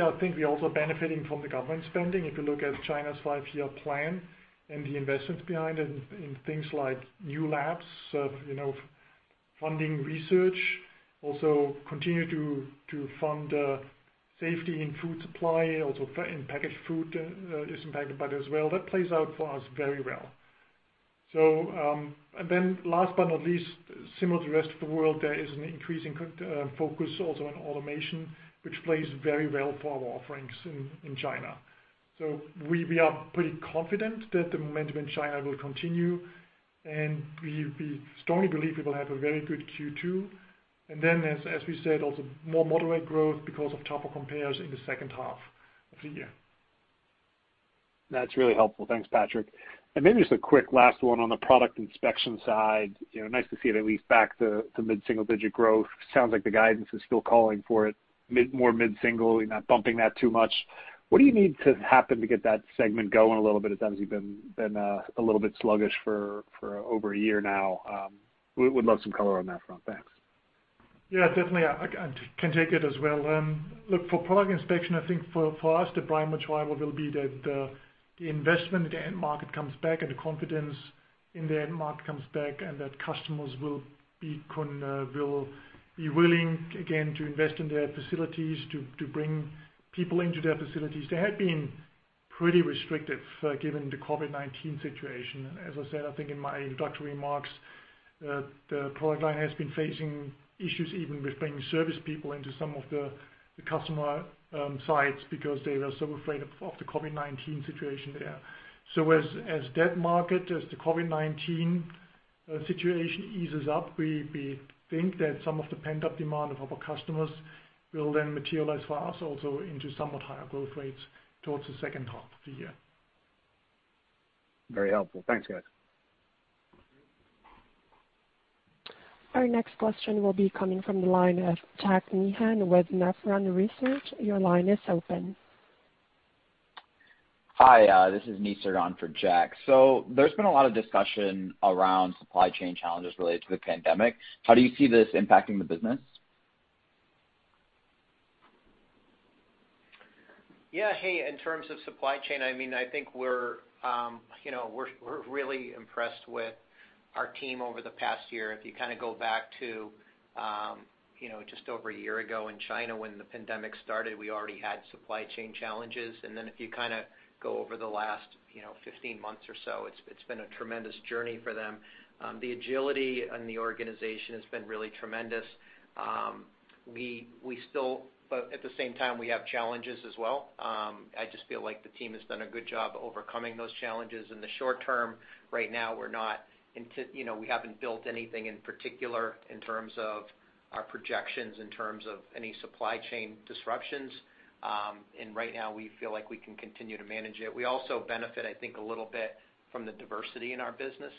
I think we are also benefiting from the government spending. If you look at China's five-year plan and the investments behind it in things like new labs, funding research, also continue to fund safety in food supply, also in packaged food is impacted by it as well. That plays out for us very well. Last but not least, similar to the rest of the world, there is an increasing focus also on automation, which plays very well for our offerings in China. We are pretty confident that the momentum in China will continue, and we strongly believe it will have a very good Q2. As we said, also more moderate growth because of tougher compares in the second half of the year. That's really helpful. Thanks, Patrick. Maybe just a quick last one on the Product Inspection side. Nice to see it at least back to mid-single-digit growth. Sounds like the guidance is still calling for it more mid-single, we're not bumping that too much. What do you need to happen to get that segment going a little bit? It seems to have been a little bit sluggish for over a year now. Would love some color on that front. Thanks. Yeah, definitely. I can take it as well. Look, for Product Inspection, I think for us, the primary driver will be that the investment at the end market comes back and the confidence in the end market comes back, and that customers will be willing again to invest in their facilities, to bring people into their facilities. They had been pretty restrictive, given the COVID-19 situation. As I said, I think in my introductory remarks, the product line has been facing issues even with bringing service people into some of the customer sites because they were so afraid of the COVID-19 situation there. As that market, as the COVID-19 situation eases up, we think that some of the pent-up demand of our customers will then materialize for us also into somewhat higher growth rates towards the second half of the year. Very helpful. Thanks, guys. Our next question will be coming from the line of Jack Meehan with Nephron Research. Your line is open. Hi, this is Nisarg on for Jack. There's been a lot of discussion around supply chain challenges related to the pandemic. How do you see this impacting the business? Yeah. Hey, in terms of supply chain, I think we're really impressed with our team over the past year. If you go back to just over a year ago in China when the pandemic started, we already had supply chain challenges. Then if you go over the last 15 months or so, it's been a tremendous journey for them. The agility in the organization has been really tremendous. At the same time, we have challenges as well. I just feel like the team has done a good job overcoming those challenges. In the short term, right now, we haven't built anything in particular in terms of our projections, in terms of any supply chain disruptions. Right now, we feel like we can continue to manage it. We also benefit, I think, a little bit from the diversity in our business.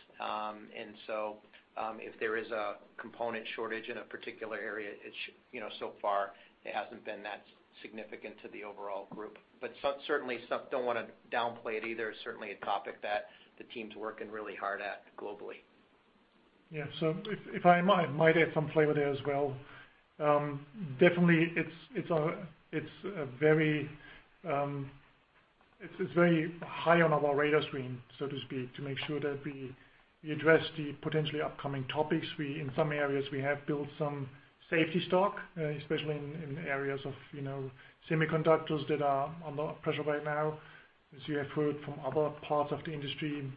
If there is a component shortage in a particular area, so far it hasn't been that significant to the overall group. Certainly, don't want to downplay it either. It's certainly a topic that the team's working really hard at globally. Yeah. If I might add some flavor there as well. Definitely, it's very high on our radar screen, so to speak, to make sure that we address the potentially upcoming topics. In some areas, we have built some safety stock, especially in areas of semiconductors that are under a lot of pressure right now. As you have heard from other parts of the industry,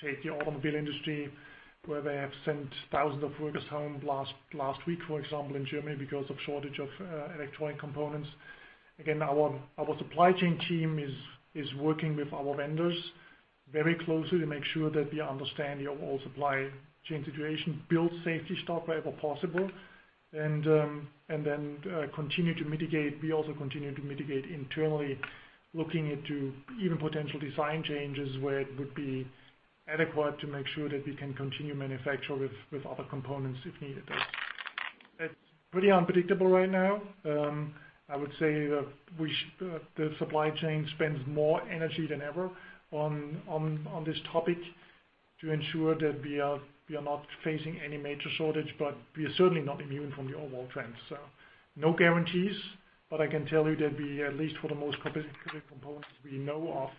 take the automobile industry, where they have sent thousands of workers home last week, for example, in Germany, because of shortage of electronic components. Again, our supply chain team is working with our vendors very closely to make sure that we understand the overall supply chain situation, build safety stock wherever possible, and then continue to mitigate. We also continue to mitigate internally, looking into even potential design changes where it would be adequate to make sure that we can continue manufacture with other components if needed. It's pretty unpredictable right now. I would say the supply chain spends more energy than ever on this topic to ensure that we are not facing any major shortage, but we are certainly not immune from the overall trends. No guarantees, but I can tell you that we, at least for the most critical components we know of,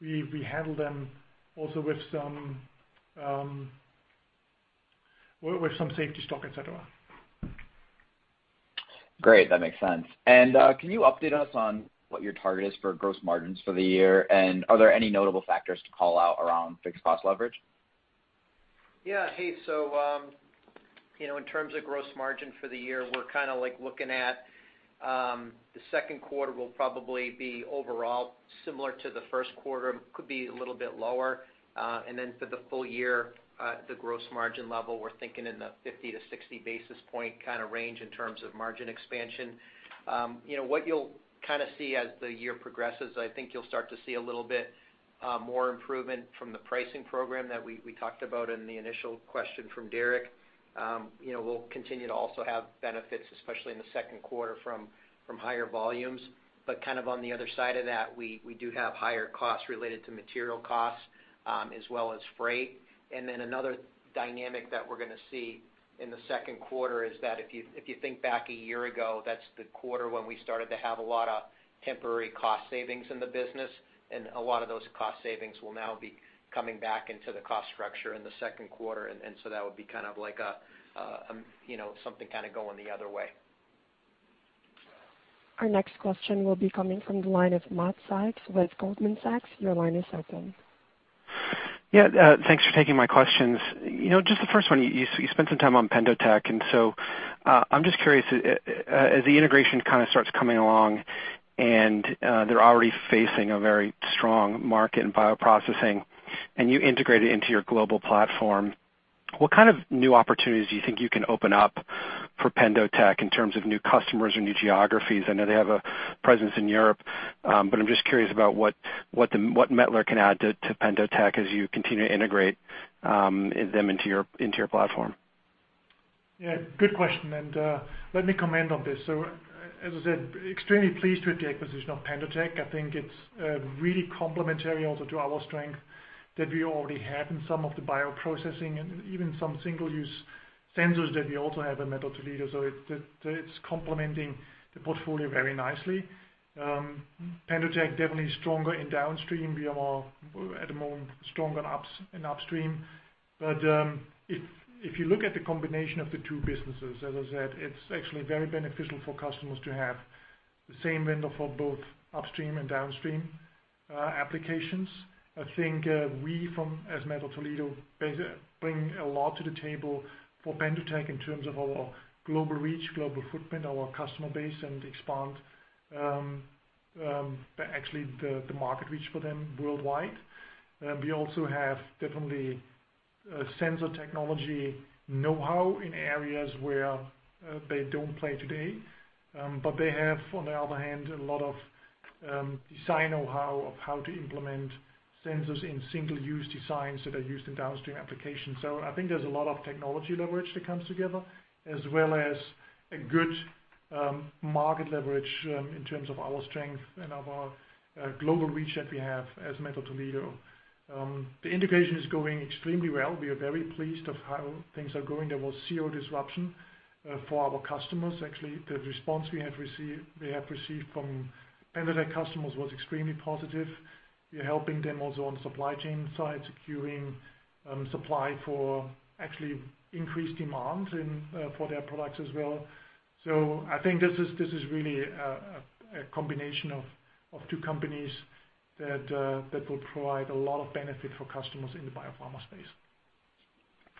we handle them also with some safety stock, et cetera. Great. That makes sense. Can you update us on what your target is for gross margins for the year? Are there any notable factors to call out around fixed cost leverage? In terms of gross margin for the year, we're kind of looking at the second quarter will probably be overall similar to the first quarter. Could be a little bit lower. For the full year, the gross margin level, we're thinking in the 50-60 basis point kind of range in terms of margin expansion. What you'll see as the year progresses, I think you'll start to see a little bit more improvement from the pricing program that we talked about in the initial question from Derik. We'll continue to also have benefits, especially in the second quarter, from higher volumes. On the other side of that, we do have higher costs related to material costs as well as freight. Another dynamic that we're going to see in the second quarter is that if you think back a year ago, that's the quarter when we started to have a lot of temporary cost savings in the business, and a lot of those cost savings will now be coming back into the cost structure in the second quarter. That would be kind of something going the other way. Our next question will be coming from the line of Matt Sykes with Goldman Sachs. Your line is open. Yeah. Thanks for taking my questions. Just the first one, you spent some time on PendoTECH, and so I'm just curious, as the integration kind of starts coming along and they're already facing a very strong market in bioprocessing and you integrate it into your global platform, what kind of new opportunities do you think you can open up for PendoTECH in terms of new customers or new geographies? I know they have a presence in Europe, but I'm just curious about what Mettler-Toledo can add to PendoTECH as you continue to integrate them into your platform. Yeah, good question. Let me comment on this. As I said, extremely pleased with the acquisition of PendoTECH. I think it's really complementary also to our strength that we already had in some of the bioprocessing and even some single-use sensors that we also have in Mettler-Toledo. It's complementing the portfolio very nicely. PendoTECH definitely is stronger in downstream. We are more, at the moment, stronger in upstream. If you look at the combination of the two businesses, as I said, it's actually very beneficial for customers to have the same vendor for both upstream and downstream applications. I think we, as Mettler-Toledo, bring a lot to the table for PendoTECH in terms of our global reach, global footprint, our customer base, and expand actually the market reach for them worldwide. We also have definitely sensor technology know-how in areas where they don't play today. They have, on the other hand, a lot of design know-how of how to implement sensors in single-use designs that are used in downstream applications. I think there's a lot of technology leverage that comes together, as well as a good market leverage in terms of our strength and our global reach that we have as Mettler-Toledo. The integration is going extremely well. We are very pleased of how things are going. There was zero disruption for our customers. Actually, the response we have received from PendoTECH customers was extremely positive. We are helping them also on supply chain side, securing supply for actually increased demand for their products as well. I think this is really a combination of two companies that will provide a lot of benefit for customers in the biopharma space.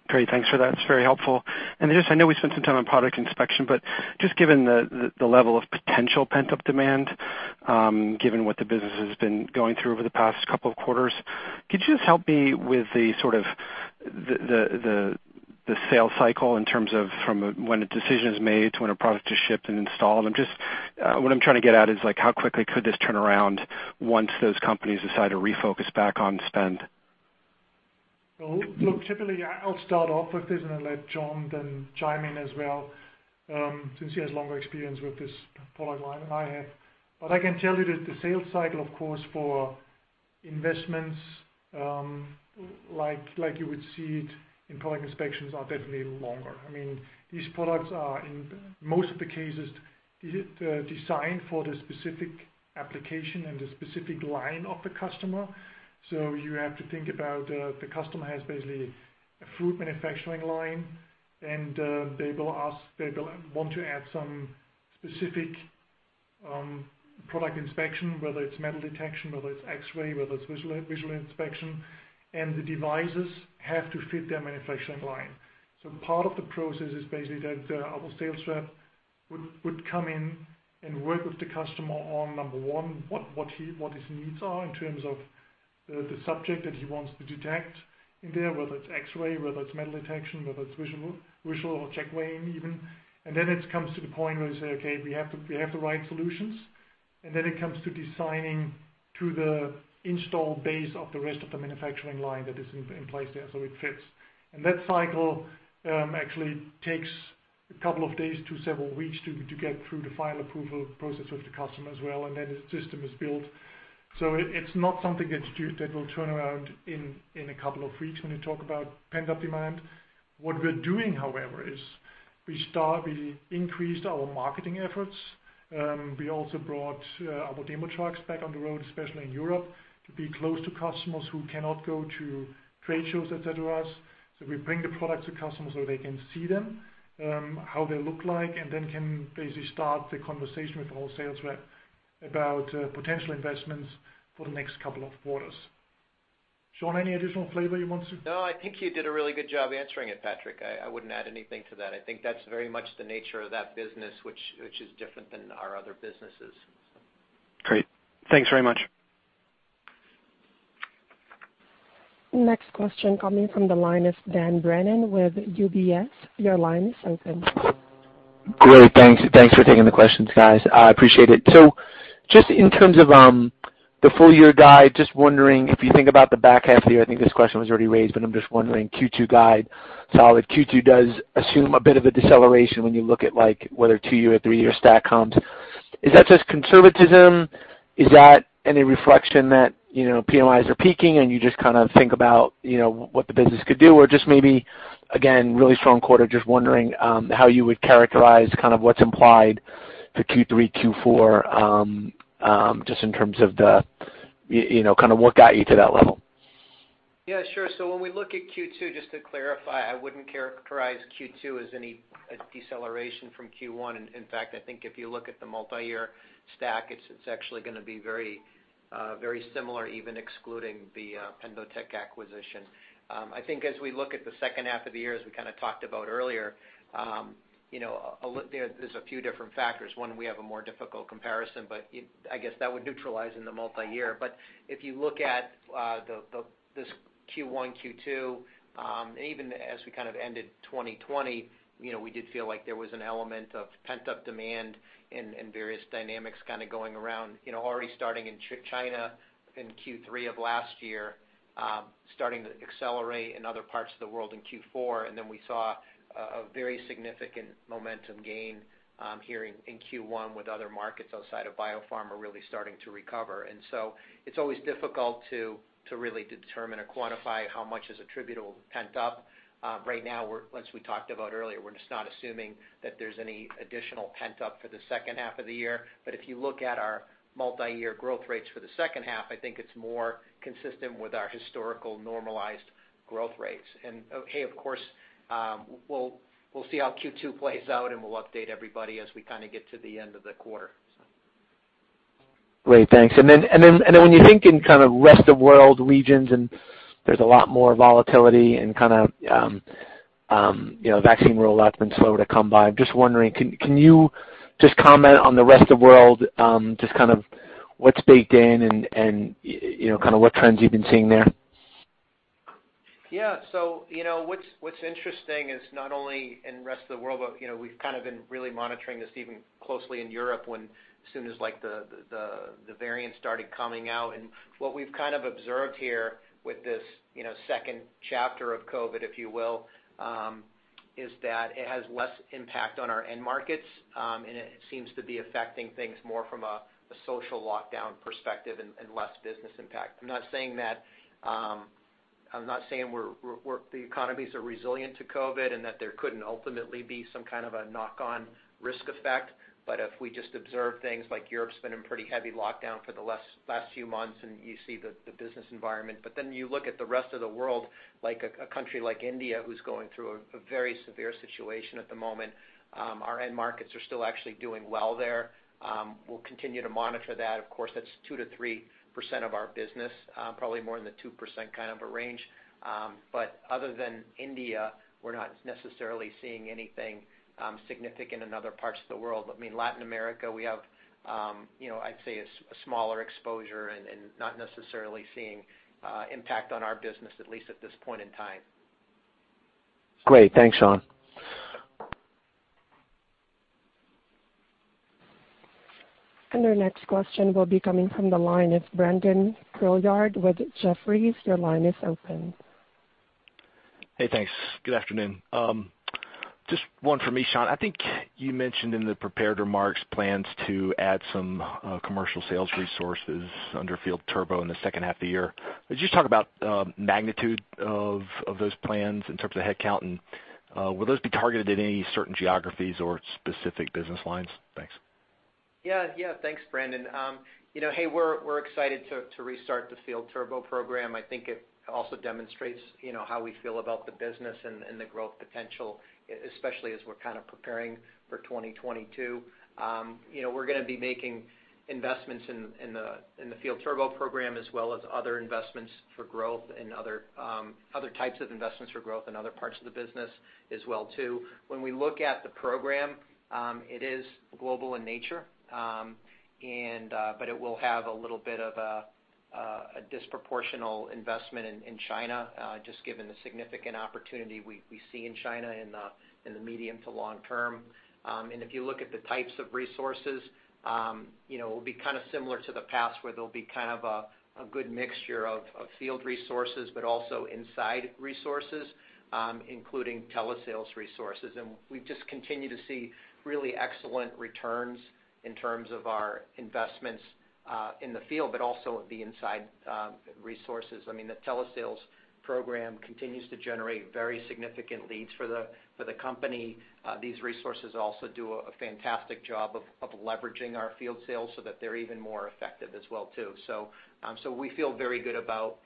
Great. Thanks for that. It's very helpful. Just, I know we spent some time on Product Inspection, but just given the level of potential pent-up demand, given what the business has been going through over the past couple of quarters, could you just help me with the sort of the sales cycle in terms of from when a decision is made to when a product is shipped and installed? What I'm trying to get at is how quickly could this turn around once those companies decide to refocus back on spend? Typically, I'll start off with this and then let Shawn then chime in as well, since he has longer experience with this product line than I have. I can tell you that the sales cycle, of course, for investments like you would see it in Product Inspection are definitely longer. These products are, in most of the cases, designed for the specific application and the specific line of the customer. You have to think about the customer has basically a food manufacturing line, and they will want to add some specific Product Inspection, whether it's metal detection, whether it's X-ray, whether it's visual inspection, and the devices have to fit their manufacturing line. Part of the process is basically that our sales rep would come in and work with the customer on, number one, what his needs are in terms of the subject that he wants to detect in there, whether it's X-ray, whether it's metal detection, whether it's visual or checkweighing even. Then it comes to the point where we say, "Okay, we have the right solutions." Then it comes to designing to the install base of the rest of the manufacturing line that is in place there so it fits. That cycle actually takes a couple of days to several weeks to get through the final approval process with the customer as well, and then the system is built. It's not something that will turn around in a couple of weeks when you talk about pent-up demand. What we're doing, however, is we increased our marketing efforts. We also brought our demo trucks back on the road, especially in Europe, to be close to customers who cannot go to trade shows, et cetera. We bring the products to customers so they can see them, how they look like, and then can basically start the conversation with our sales rep about potential investments for the next couple of quarters. Shawn, any additional flavor you want to- I think you did a really good job answering it, Patrick. I wouldn't add anything to that. I think that's very much the nature of that business, which is different than our other businesses. Great. Thanks very much. Next question coming from the line is Dan Brennan with UBS. Great. Thanks for taking the questions, guys. I appreciate it. Just in terms of the full year guide, just wondering if you think about the back half of the year. I think this question was already raised, but I'm just wondering, Q2 guide solid. Q2 does assume a bit of a deceleration when you look at whether two-year or three-year stack comps. Is that just conservatism? Is that any reflection that PMIs are peaking, and you just kind of think about what the business could do? Or just maybe, again, really strong quarter, just wondering how you would characterize what's implied for Q3, Q4, just in terms of what got you to that level. Yeah, sure. When we look at Q2, just to clarify, I wouldn't characterize Q2 as any deceleration from Q1. In fact, I think if you look at the multi-year stack, it's actually going to be very similar, even excluding the PendoTECH acquisition. I think as we look at the second half of the year, as we kind of talked about earlier, there's a few different factors. One, we have a more difficult comparison, but I guess that would neutralize in the multi-year. If you look at this Q1, Q2, even as we kind of ended 2020, we did feel like there was an element of pent-up demand and various dynamics kind of going around, already starting in China in Q3 of last year, starting to accelerate in other parts of the world in Q4. We saw a very significant momentum gain here in Q1 with other markets outside of biopharma really starting to recover. It's always difficult to really determine or quantify how much is attributable pent up. Right now, as we talked about earlier, we're just not assuming that there's any additional pent up for the second half of the year. If you look at our multi-year growth rates for the second half, I think it's more consistent with our historical normalized growth rates. Of course, we'll see how Q2 plays out, and we'll update everybody as we kind of get to the end of the quarter. Great. Thanks. When you think in kind of rest of world regions, there's a lot more volatility and kind of vaccine rollout's been slow to come by. I'm just wondering, can you just comment on the rest of world, just kind of what's baked in and kind of what trends you've been seeing there? Yeah. What's interesting is not only in rest of the world, but we've kind of been really monitoring this even closely in Europe when as soon as the variants started coming out. What we've kind of observed here with this second chapter of COVID, if you will, is that it has less impact on our end markets, and it seems to be affecting things more from a social lockdown perspective and less business impact. I'm not saying the economies are resilient to COVID and that there couldn't ultimately be some kind of a knock-on risk effect. If we just observe things like Europe's been in pretty heavy lockdown for the last few months, and you see the business environment, then you look at the rest of the world, like a country like India, who's going through a very severe situation at the moment. Our end markets are still actually doing well there. We'll continue to monitor that. Of course, that's 2%-3% of our business, probably more in the 2% kind of a range. Other than India, we're not necessarily seeing anything significant in other parts of the world. I mean, Latin America, we have, I'd say, a smaller exposure and not necessarily seeing impact on our business, at least at this point in time. Great. Thanks, Shawn. Our next question will be coming from the line of Brandon Couillard with Jefferies. Your line is open. Hey, thanks. Good afternoon. Just one for me, Shawn. I think you mentioned in the prepared remarks plans to add some commercial sales resources under Field Turbo in the second half of the year. Could you just talk about magnitude of those plans in terms of headcount, and will those be targeted at any certain geographies or specific business lines? Thanks. Yeah. Thanks, Brandon. Hey, we're excited to restart the Field Turbo program. I think it also demonstrates how we feel about the business and the growth potential, especially as we're kind of preparing for 2022. We're going to be making investments in the Field Turbo program as well as other investments for growth and other types of investments for growth in other parts of the business as well, too. We look at the program, it is global in nature, but it will have a little bit of a disproportional investment in China, just given the significant opportunity we see in China in the medium to long term. If you look at the types of resources, it will be kind of similar to the past where there'll be kind of a good mixture of field resources, but also inside resources, including telesales resources. We just continue to see really excellent returns in terms of our investments in the field, but also the inside resources. I mean, the telesales program continues to generate very significant leads for the company. These resources also do a fantastic job of leveraging our field sales so that they're even more effective as well, too. We feel very good about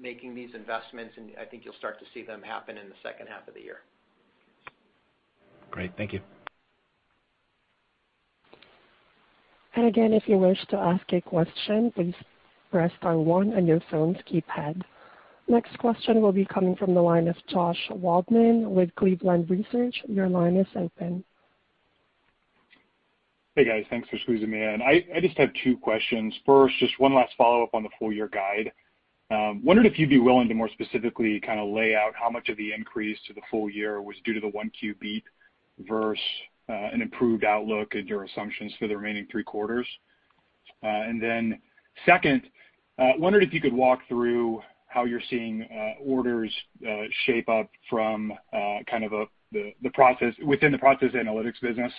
making these investments, and I think you'll start to see them happen in the second half of the year. Great. Thank you. Again, if you wish to ask a question, please press star one on your phone's keypad. Next question will be coming from the line of Josh Waldman with Cleveland Research. Your line is open. Hey, guys. Thanks for squeezing me in. I just have two questions. First, just one last follow-up on the full-year guide. Wondered if you'd be willing to more specifically lay out how much of the increase to the full year was due to the Q1 beat versus an improved outlook and your assumptions for the remaining three quarters. Second, wondered if you could walk through how you're seeing orders shape up within the process analytics business.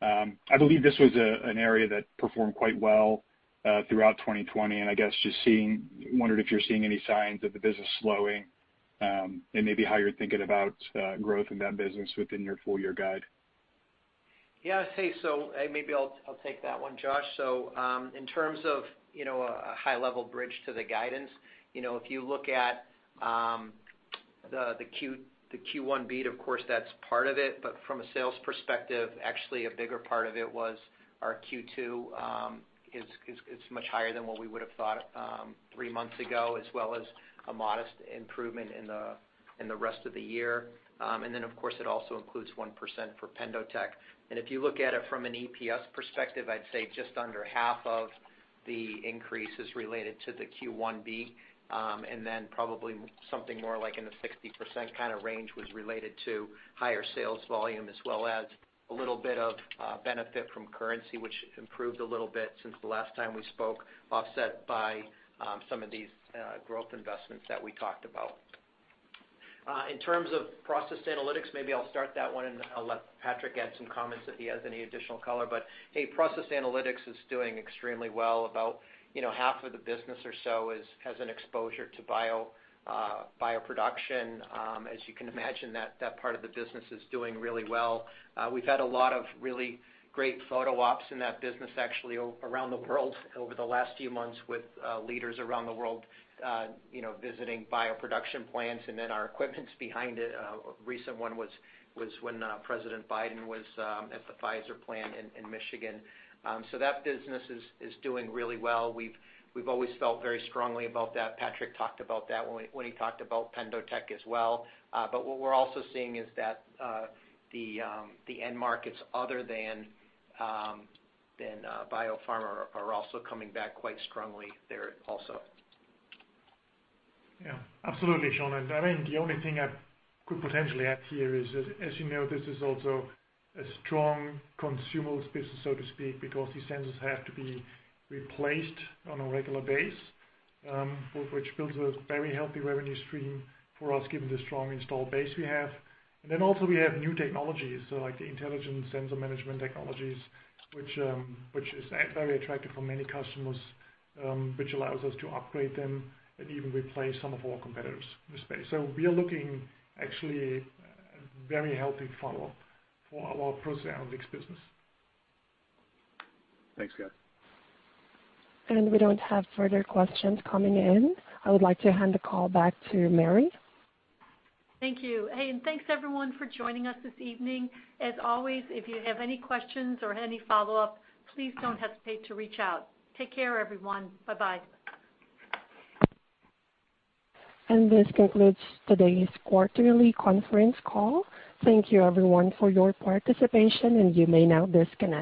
I believe this was an area that performed quite well throughout 2020, and I guess just wondered if you're seeing any signs of the business slowing, and maybe how you're thinking about growth in that business within your full-year guide. Yeah. Maybe I'll take that one, Josh. In terms of a high-level bridge to the guidance, if you look at the Q1 beat, of course, that's part of it. From a sales perspective, actually a bigger part of it was our Q2 is much higher than what we would've thought three months ago, as well as a modest improvement in the rest of the year. Of course, it also includes 1% for PendoTECH. If you look at it from an EPS perspective, I'd say just under half of the increase is related to the Q1 beat. Probably something more like in the 60% kind of range was related to higher sales volume, as well as a little bit of benefit from currency, which improved a little bit since the last time we spoke, offset by some of these growth investments that we talked about. In terms of process analytics, maybe I'll start that one and I'll let Patrick add some comments if he has any additional color. Process analytics is doing extremely well. About half of the business or so has an exposure to bioproduction. As you can imagine, that part of the business is doing really well. We've had a lot of really great photo ops in that business, actually, around the world over the last few months with leaders around the world visiting bioproduction plants and then our equipment's behind it. A recent one was when President Biden was at the Pfizer plant in Michigan. That business is doing really well. We've always felt very strongly about that. Patrick talked about that when he talked about PendoTECH as well. What we're also seeing is that the end markets other than biopharma are also coming back quite strongly there also. Yeah. Absolutely, Shawn, I think the only thing I could potentially add here is, as you know, this is also a strong consumer business, so to speak, because these sensors have to be replaced on a regular basis, which builds a very healthy revenue stream for us given the strong installed base we have. Also we have new technologies, so like the Intelligent Sensor Management technologies, which is very attractive for many customers, which allows us to upgrade them and even replace some of our competitors in the space. We are looking actually very healthy follow-up for our process analytics business. Thanks, guys. We don't have further questions coming in. I would like to hand the call back to Mary. Thank you. Hey, thanks, everyone, for joining us this evening. As always, if you have any questions or any follow-up, please don't hesitate to reach out. Take care, everyone. Bye-bye. This concludes today's quarterly conference call. Thank you everyone for your participation, and you may now disconnect.